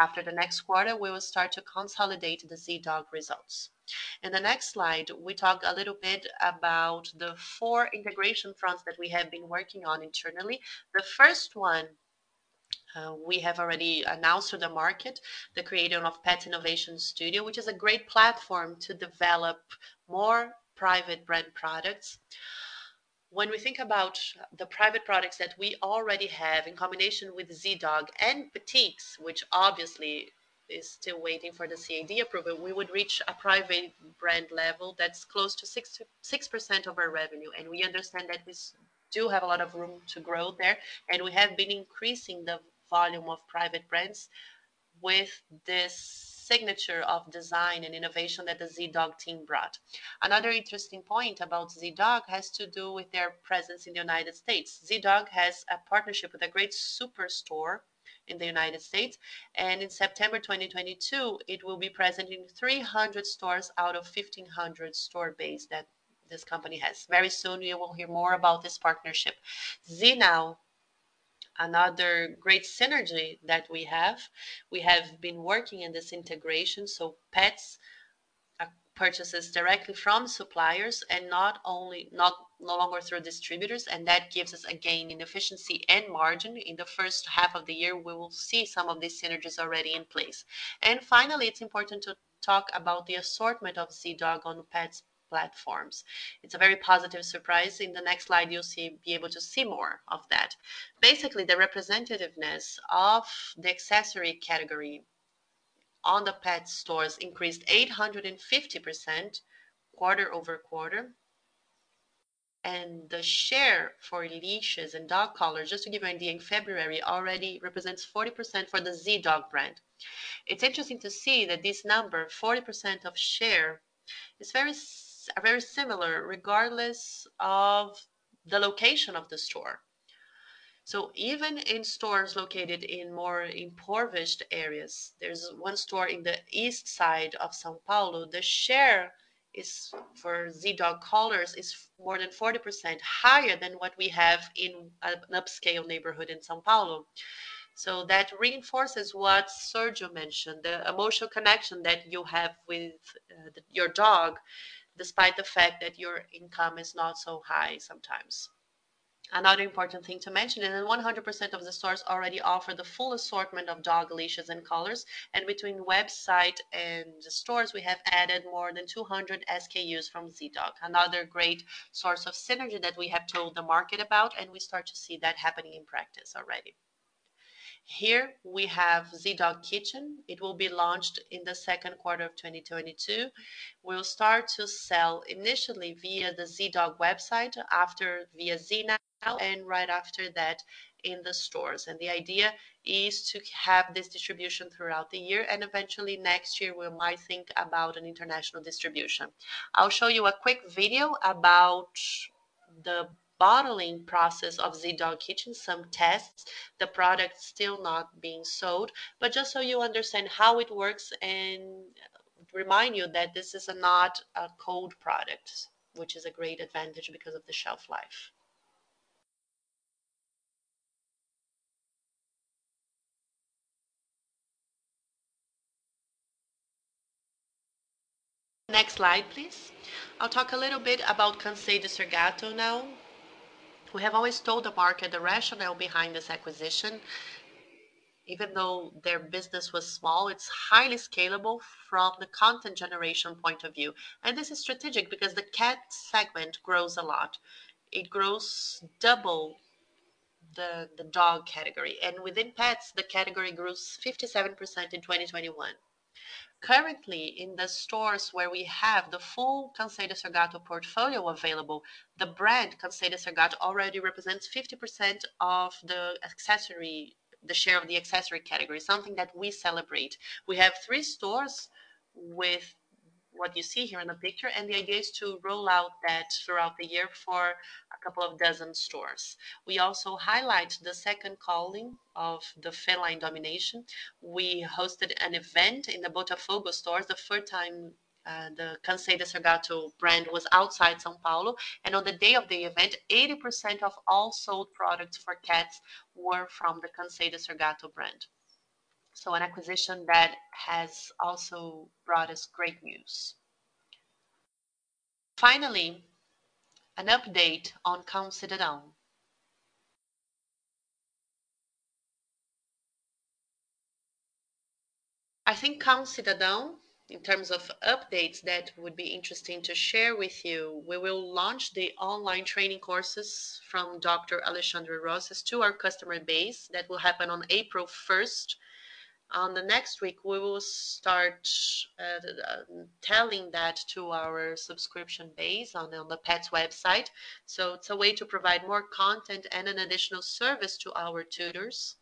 After the next quarter, we will start to consolidate the Zee.Dog results. In the next slide, we talk a little bit about the four integration fronts that we have been working on internally. The first one, we have already announced to the market, the creation of Pet Innovation Studio, which is a great platform to develop more private brand products. When we think about the private products that we already have in combination with Zee.Dog and Petix, which obviously is still waiting for the CADE approval, we would reach a private brand level that's close to 6% of our revenue. We understand that these do have a lot of room to grow there, and we have been increasing the volume of private brands with this signature of design and innovation that the Zee.Dog team brought. Another interesting point about Zee.Dog has to do with their presence in the United States. Zee.Dog has a partnership with a great superstore in the United States, and in September 2022, it will be present in 300 stores out of 1,500-store base that this company has. Very soon, you will hear more about this partnership. Zee.Now, another great synergy that we have. We have been working in this integration, so Petz purchases directly from suppliers and no longer through distributors, and that gives us a gain in efficiency and margin. In the first half of the year, we will see some of these synergies already in place. Finally, it's important to talk about the assortment of Zee.Dog on Petz platforms. It's a very positive surprise. In the next slide, you'll be able to see more of that. Basically, the representativeness of the accessory category on the Petz stores increased 850% quarter-over-quarter. The share for leashes and dog collars, just to give you an idea, in February already represents 40% for the Zee.Dog brand. It's interesting to see that this number, 40% of share, is very similar regardless of the location of the store. Even in stores located in more impoverished areas, there's one store in the east side of São Paulo, the share for Zee.Dog collars is more than 40% higher than what we have in an upscale neighborhood in São Paulo. That reinforces what Sérgio mentioned, the emotional connection that you have with your dog, despite the fact that your income is not so high sometimes. Another important thing to mention, then 100% of the stores already offer the full assortment of dog leashes and collars. Between website and the stores, we have added more than 200 SKUs from Zee.Dog, another great source of synergy that we have told the market about, and we start to see that happening in practice already. Here we have Zee.Dog Kitchen. It will be launched in the second quarter of 2022. We'll start to sell initially via the zee.dog website after via Zee.Now, and right after that in the stores. The idea is to have this distribution throughout the year, and eventually next year we might think about an international distribution. I'll show you a quick video about the bottling process of Zee.Dog Kitchen, some tests. The product's still not being sold. Just so you understand how it works and remind you that this is not a cold product, which is a great advantage because of the shelf life. Next slide, please. I'll talk a little bit about Cansei de Ser Gato now. We have always told the market the rationale behind this acquisition. Even though their business was small, it's highly scalable from the content generation point of view. This is strategic because the cat segment grows a lot. It grows double the dog category. Within Petz, the category grows 57% in 2021. Currently, in the stores where we have the full Cansei de Ser Gato portfolio available, the brand Cansei de Ser Gato already represents 50% of the accessory, the share of the accessory category, something that we celebrate. We have three stores with what you see here in the picture, and the idea is to roll out that throughout the year for a couple of dozen stores. We also highlight the second calling of the Feline Domination. We hosted an event in the Botafogo store, the first time the Cansei de Ser Gato brand was outside São Paulo. On the day of the event, 80% of all sold products for cats were from the Cansei de Ser Gato brand. An acquisition that has also brought us great news. Finally, an update on Cão Cidadão. I think Cão Cidadão, in terms of updates that would be interesting to share with you, we will launch the online training courses from Dr. Alexandre Rossi to our customer base. That will happen on April first. On the next week, we will start telling that to our subscription base on the Petz website. It's a way to provide more content and an additional service to our tutors.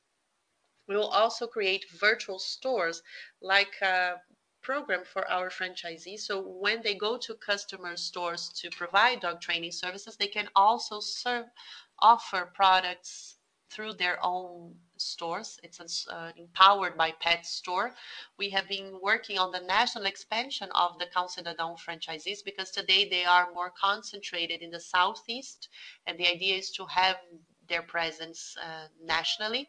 We will also create virtual stores like a program for our franchisees. When they go to customer stores to provide dog training services, they can also offer products through their own stores. It's empowered by Petz store. We have been working on the national expansion of the Cão Cidadão franchisees because today they are more concentrated in the southeast, and the idea is to have their presence nationally.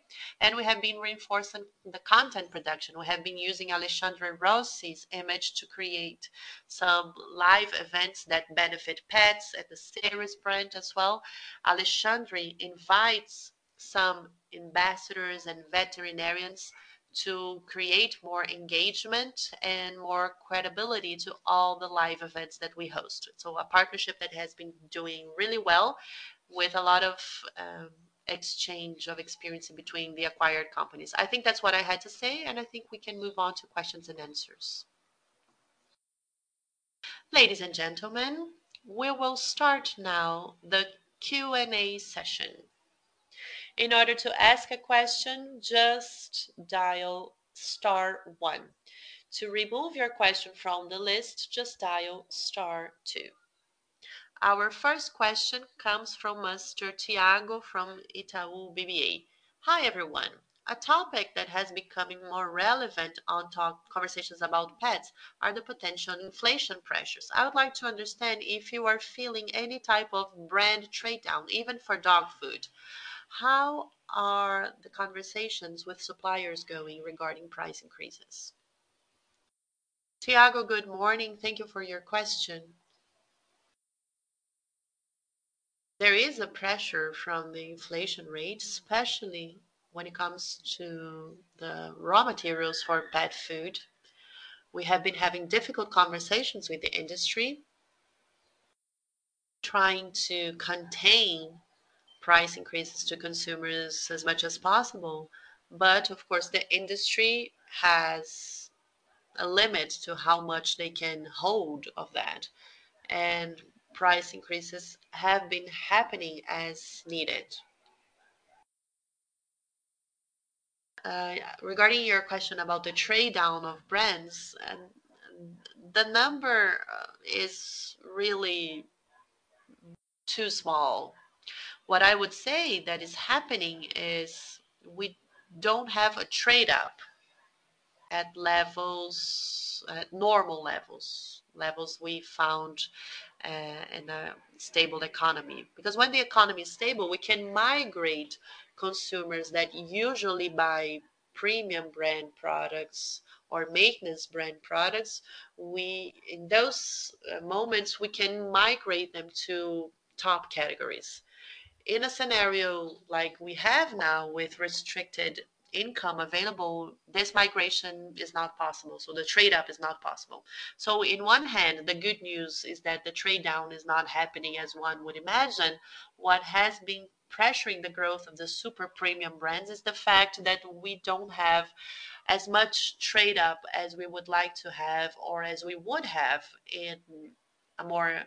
We have been reinforcing the content production. We have been using Alexandre Rossi's image to create some live events that benefit Petz and the Seres brand as well. Alexandre invites some ambassadors and veterinarians to create more engagement and more credibility to all the live events that we host. A partnership that has been doing really well with a lot of exchange of experience between the acquired companies. I think that's what I had to say, and I think we can move on to questions and answers. Ladies and gentlemen, we will start now the Q&A session. In order to ask a question, just dial star one. To remove your question from the list, just dial star two. Our first question comes from Mr. Thiago from Itaú BBA. Hi, everyone. A topic that has become more relevant in conversations about pets is the potential inflation pressures. I would like to understand if you are feeling any type of brand trade down, even for dog food. How are the conversations with suppliers going regarding price increases? Thiago, good morning. Thank you for your question. There is a pressure from the inflation rate, especially when it comes to the raw materials for pet food. We have been having difficult conversations with the industry, trying to contain price increases to consumers as much as possible. Of course, the industry has a limit to how much they can hold of that, and price increases have been happening as needed. Regarding your question about the trade down of brands, the number is really too small. What I would say that is happening is we don't have a trade-up at levels at normal levels we found in a stable economy. Because when the economy is stable, we can migrate consumers that usually buy premium brand products or maintenance brand products. In those moments, we can migrate them to top categories. In a scenario like we have now with restricted income available, this migration is not possible, so the trade-up is not possible. So in one hand, the good news is that the trade down is not happening as one would imagine. What has been pressuring the growth of the super premium brands is the fact that we don't have as much trade-up as we would like to have or as we would have in a more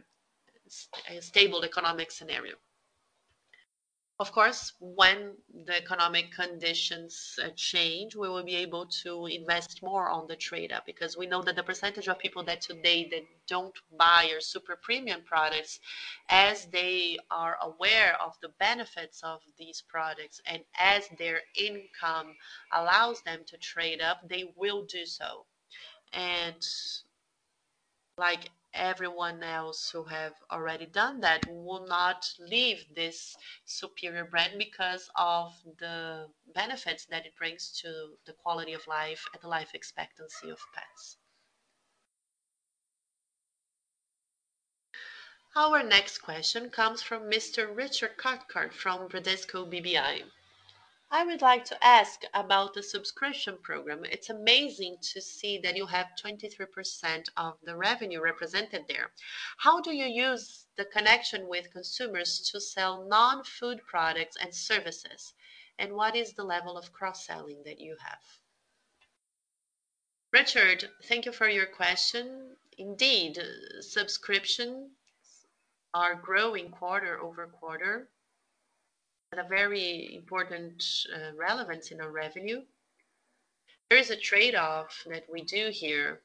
stable economic scenario. Of course, when the economic conditions change, we will be able to invest more on the trade-up because we know that the percentage of people that today don't buy our super premium products, as they are aware of the benefits of these products and as their income allows them to trade up, they will do so. Like everyone else who have already done that will not leave this superior brand because of the benefits that it brings to the quality of life and the life expectancy of pets. Our next question comes from Mr. Richard Cathcart from Bradesco BBI. I would like to ask about the subscription program. It's amazing to see that you have 23% of the revenue represented there. How do you use the connection with consumers to sell non-food products and services? And what is the level of cross-selling that you have? Richard, thank you for your question. Indeed, subscriptions are growing quarter-over-quarter at a very important relevance in our revenue. There is a trade-off that we do here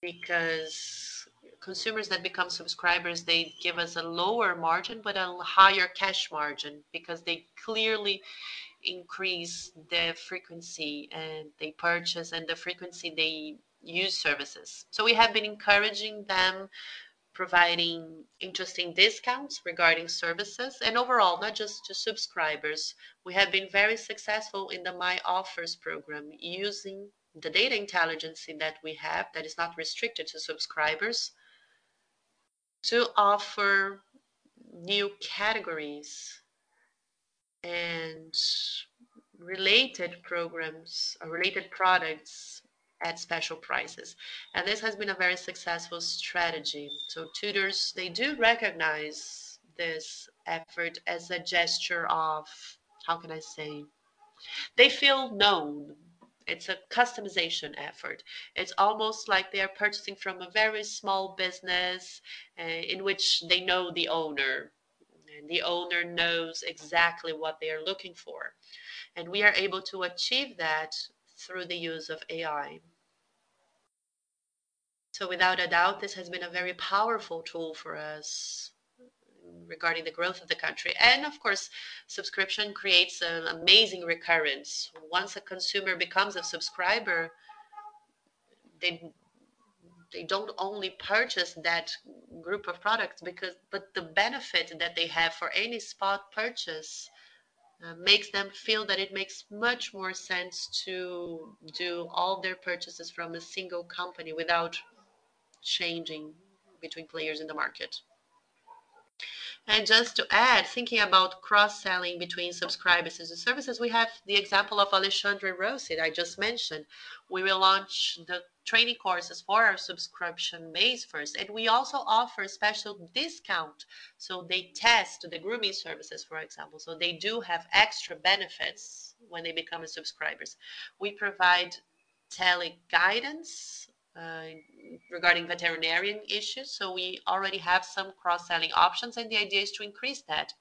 because consumers that become subscribers, they give us a lower margin, but a higher cash margin because they clearly increase their frequency, and they purchase and the frequency they use services. We have been encouraging them, providing interesting discounts regarding services and overall, not just to subscribers. We have been very successful in the My Offers program using the data intelligence that we have that is not restricted to subscribers to offer new categories and related programs or related products at special prices. This has been a very successful strategy. Tutors, they do recognize this effort as a gesture of, how can I say? They feel known. It's a customization effort. It's almost like they are purchasing from a very small business, in which they know the owner, and the owner knows exactly what they are looking for. We are able to achieve that through the use of AI. Without a doubt, this has been a very powerful tool for us regarding the growth of the country. Of course, subscription creates an amazing recurrence. Once a consumer becomes a subscriber, they don't only purchase that group of products, but the benefit that they have for any spot purchase makes them feel that it makes much more sense to do all their purchases from a single company without changing between players in the market. Just to add, thinking about cross-selling between subscribers as a service, we have the example of Alexandre Rossi I just mentioned. We will launch the training courses for our subscription base first, and we also offer a special discount, so they test the grooming services, for example. They do have extra benefits when they become subscribers. We provide Teleguidance regarding veterinarian issues. We already have some cross-selling options, and the idea is to increase that.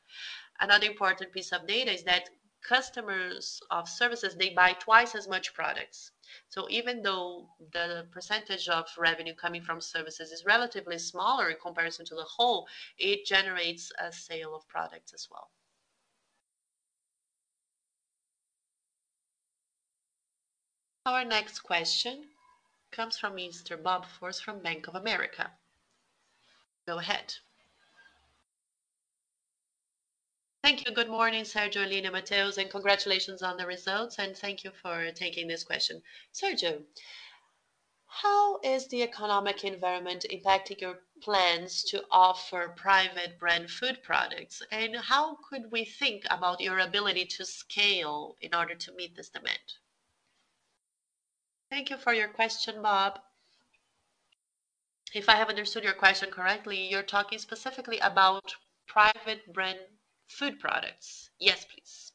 Another important piece of data is that customers of services, they buy twice as much products. Even though the percentage of revenue coming from services is relatively smaller in comparison to the whole, it generates a sale of products as well. Our next question comes from Mr. Bob Ford from Bank of America. Go ahead. Thank you. Good morning, Sérgio, Aline, Matheus, and congratulations on the results. Thank you for taking this question. Sérgio, how is the economic environment impacting your plans to offer private brand food products? And how could we think about your ability to scale in order to meet this demand? Thank you for your question, Bob. If I have understood your question correctly, you're talking specifically about private brand food products. Yes, please.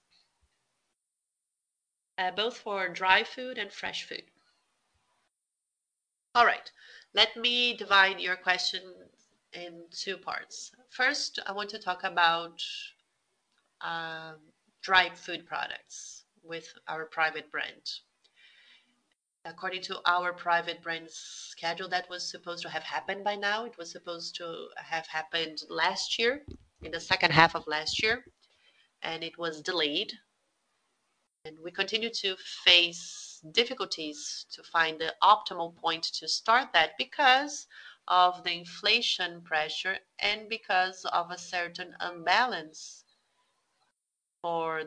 Both for dry food and fresh food. All right. Let me divide your question in two parts. First, I want to talk about dry food products with our private brand. According to our private brand schedule, that was supposed to have happened by now. It was supposed to have happened last year, in the second half of last year, and it was delayed. We continue to face difficulties to find the optimal point to start that because of the inflation pressure and because of a certain imbalance for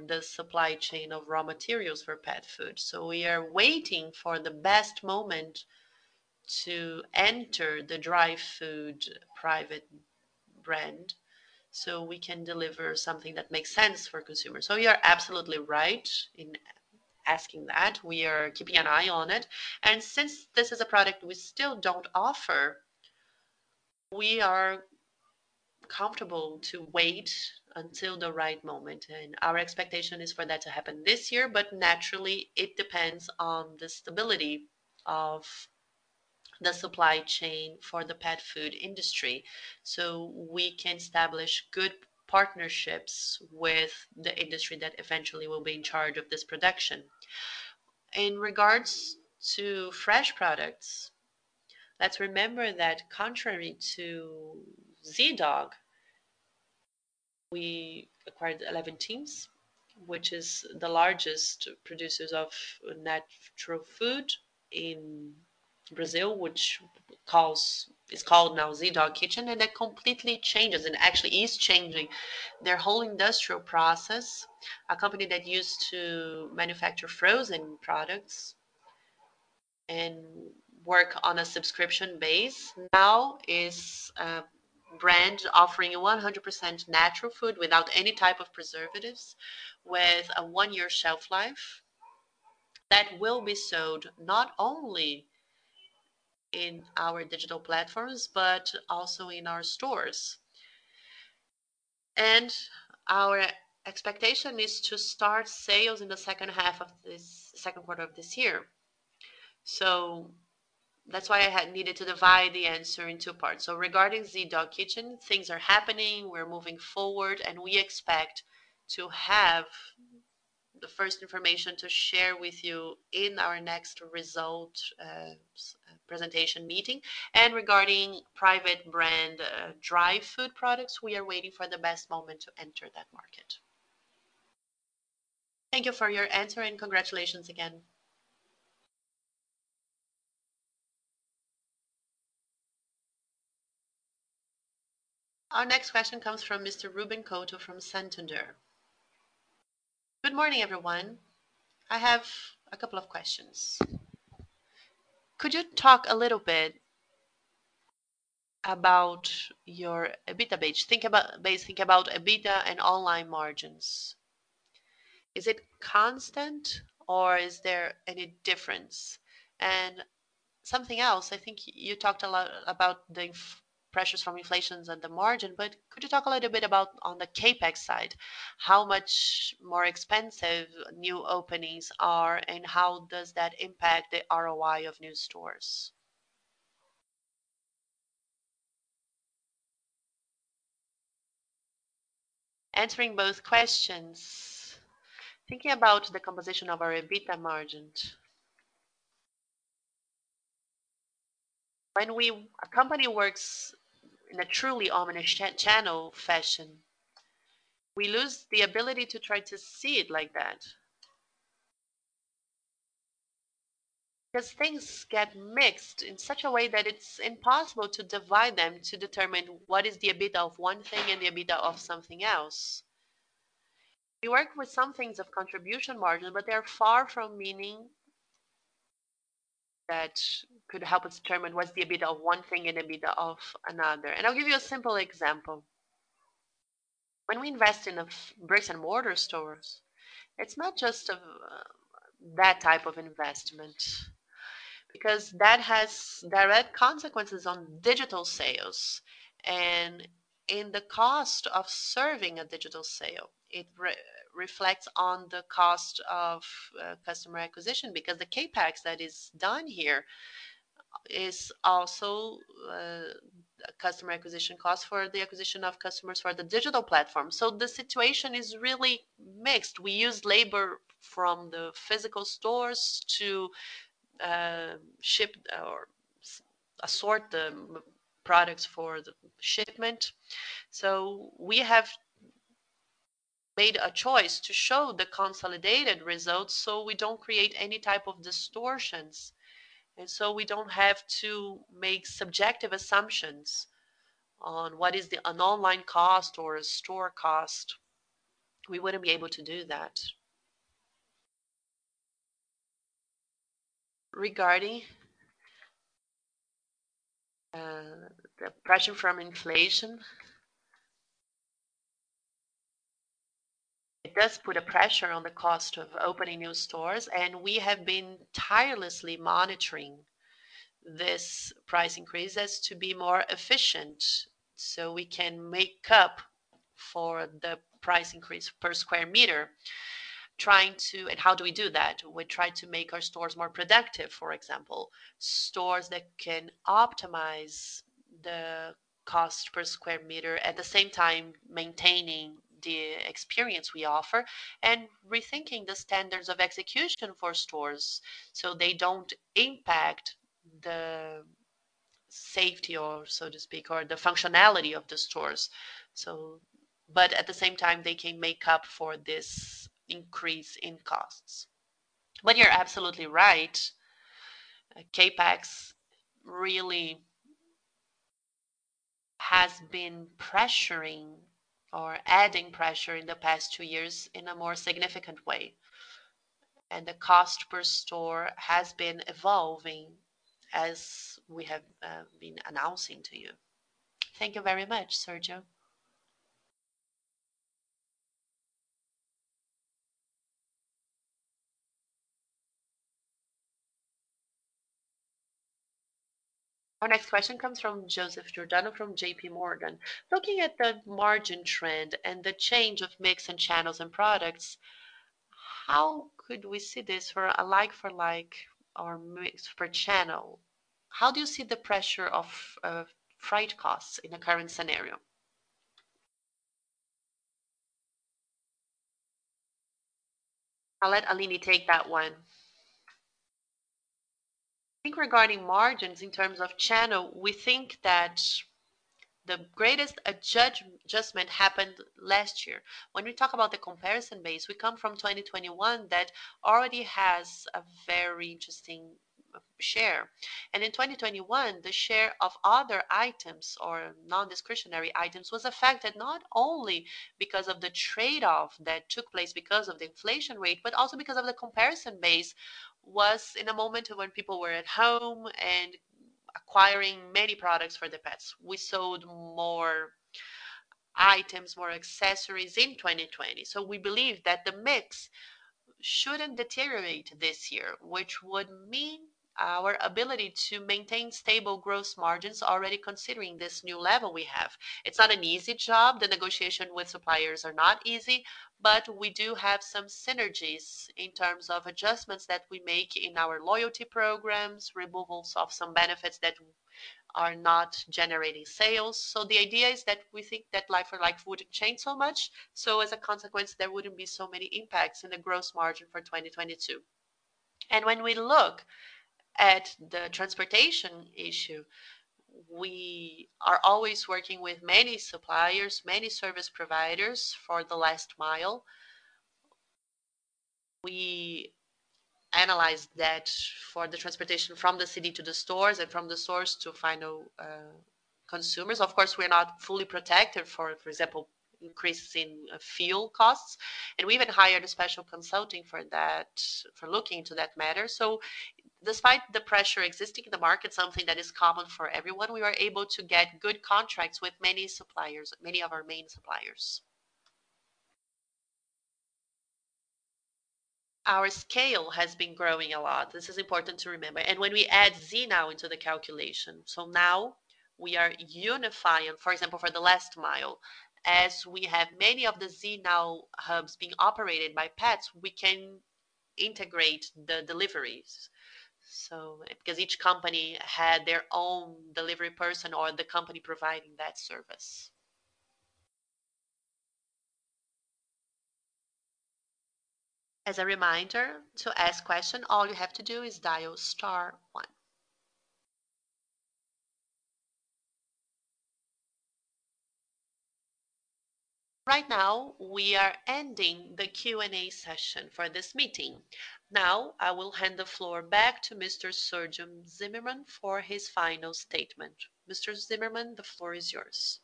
the supply chain of raw materials for pet food. We are waiting for the best moment to enter the dry food private brand, so we can deliver something that makes sense for consumers. You're absolutely right in asking that. We are keeping an eye on it. Since this is a product we still don't offer, we are comfortable to wait until the right moment. Our expectation is for that to happen this year, but naturally it depends on the stability of the supply chain for the pet food industry, so we can establish good partnerships with the industry that eventually will be in charge of this production. In regards to fresh products, let's remember that contrary to Zee.Dog, we acquired Eleven Chimps, which is the largest producers of natural food in Brazil, which is called now Zee.Dog Kitchen, and that completely changes and actually is changing their whole industrial process. A company that used to manufacture frozen products and work on a subscription base now is a brand offering 100% natural food without any type of preservatives, with a one-year shelf life that will be sold not only in our digital platforms, but also in our stores. Our expectation is to start sales in the second quarter of this year. That's why I had needed to divide the answer in two parts. Regarding Zee.Dog Kitchen, things are happening, we're moving forward, and we expect to have the first information to share with you in our next result presentation meeting. Regarding private brand dry food products, we are waiting for the best moment to enter that market. Thank you for your answer, and congratulations again. Our next question comes from Mr. Ruben Couto from Santander. Good morning, everyone. I have a couple of questions. Could you talk a little bit about your EBITDA base? Think about EBITDA and online margins. Is it constant or is there any difference? Something else, I think you talked a lot about the inflationary pressures from inflation and the margin, but could you talk a little bit about on the CapEx side, how much more expensive new openings are, and how does that impact the ROI of new stores? Answering both questions, thinking about the composition of our EBITDA margins. A company works in a truly omnichannel fashion. We lose the ability to try to see it like that. Because things get mixed in such a way that it's impossible to divide them to determine what is the EBITDA of one thing and the EBITDA of something else. We work with some things of contribution margin, but they're far from meaningful that could help us determine what's the EBITDA of one thing and EBITDA of another. I'll give you a simple example. When we invest in bricks and mortar stores, it's not just that type of investment because that has direct consequences on digital sales and in the cost of serving a digital sale. It reflects on the cost of customer acquisition because the CapEx that is done here is also customer acquisition costs for the acquisition of customers for the digital platform. The situation is really mixed. We use labor from the physical stores to ship or sort the products for the shipment. We have made a choice to show the consolidated results, so we don't create any type of distortions. We don't have to make subjective assumptions on what is an online cost or a store cost. We wouldn't be able to do that. Regarding the pressure from inflation, it does put a pressure on the cost of opening new stores, and we have been tirelessly monitoring this price increases to be more efficient, so we can make up for the price increase per square meter. How do we do that? We try to make our stores more productive, for example. Stores that can optimize the cost per square meter. At the same time, maintaining the experience we offer and rethinking the standards of execution for stores, so they don't impact the safety or so to speak, or the functionality of the stores. But at the same time, they can make up for this increase in costs. But you're absolutely right. CapEx really has been pressuring or adding pressure in the past two years in a more significant way. The cost per store has been evolving as we have been announcing to you. Thank you very much, Sérgio. Our next question comes from Joseph Giordano from JPMorgan. Looking at the margin trend and the change of mix and channels and products, how could we see this for a like for like or mix for channel? How do you see the pressure of freight costs in the current scenario? I'll let Aline take that one. I think regarding margins in terms of channel, we think that the greatest adjustment happened last year. When we talk about the comparison base, we come from 2021 that already has a very interesting share. In 2021, the share of other items or non-discretionary items was affected not only because of the trade-off that took place because of the inflation rate, but also because of the comparison base was in a moment when people were at home and acquiring many products for their pets. We sold more items, more accessories in 2020. We believe that the mix shouldn't deteriorate this year, which would mean our ability to maintain stable gross margins already considering this new level we have. It's not an easy job. The negotiation with suppliers are not easy, but we do have some synergies in terms of adjustments that we make in our loyalty programs, removals of some benefits that are not generating sales. The idea is that we think that like for like wouldn't change so much. As a consequence, there wouldn't be so many impacts in the gross margin for 2022. When we look at the transportation issue, we are always working with many suppliers, many service providers for the last mile. We analyze that for the transportation from the city to the stores and from the source to final consumers. Of course, we're not fully protected for example, increase in fuel costs. We even hired a special consulting for that, for looking into that matter. Despite the pressure existing in the market, something that is common for everyone, we were able to get good contracts with many suppliers, many of our main suppliers. Our scale has been growing a lot. This is important to remember. When we add Zee.Now into the calculation. Now we are unifying, for example, for the last mile. As we have many of the Zee.Now hubs being operated by Petz, we can integrate the deliveries because each company had their own delivery person or the company providing that service. As a reminder to ask a question, all you have to do is dial star one. Right now, we are ending the Q&A session for this meeting. Now, I will hand the floor back to Mr. Sérgio Zimerman for his final statement. Mr. Zimerman, the floor is yours.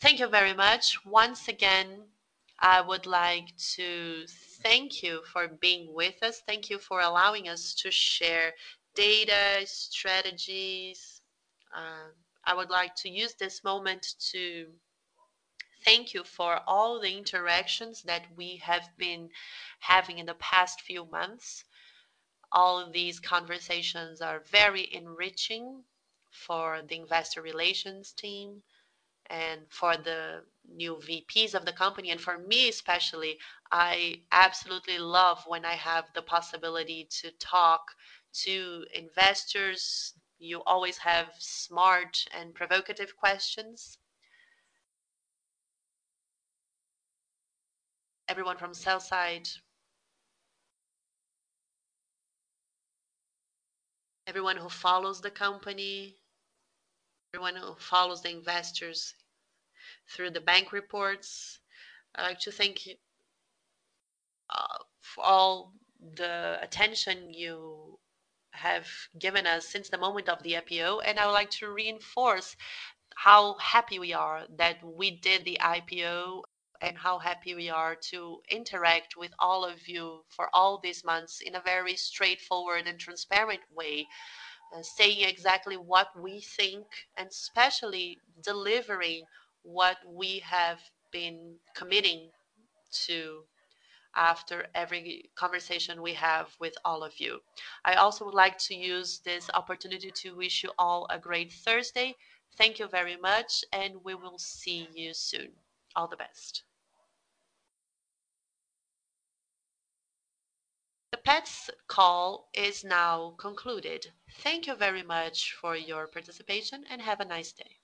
Thank you very much. Once again, I would like to thank you for being with us. Thank you for allowing us to share data, strategies. I would like to use this moment to thank you for all the interactions that we have been having in the past few months. All of these conversations are very enriching for the investor relations team and for the new VPs of the company, and for me especially. I absolutely love when I have the possibility to talk to investors. You always have smart and provocative questions. Everyone from sell-side. Everyone who follows the company, everyone who follows the investors through the bank reports. I'd like to thank you for all the attention you have given us since the moment of the IPO, and I would like to reinforce how happy we are that we did the IPO and how happy we are to interact with all of you for all these months in a very straightforward and transparent way, saying exactly what we think, and especially delivering what we have been committing to after every conversation we have with all of you. I also would like to use this opportunity to wish you all a great Thursday. Thank you very much, and we will see you soon. All the best. The Petz call is now concluded. Thank you very much for your participation, and have a nice day.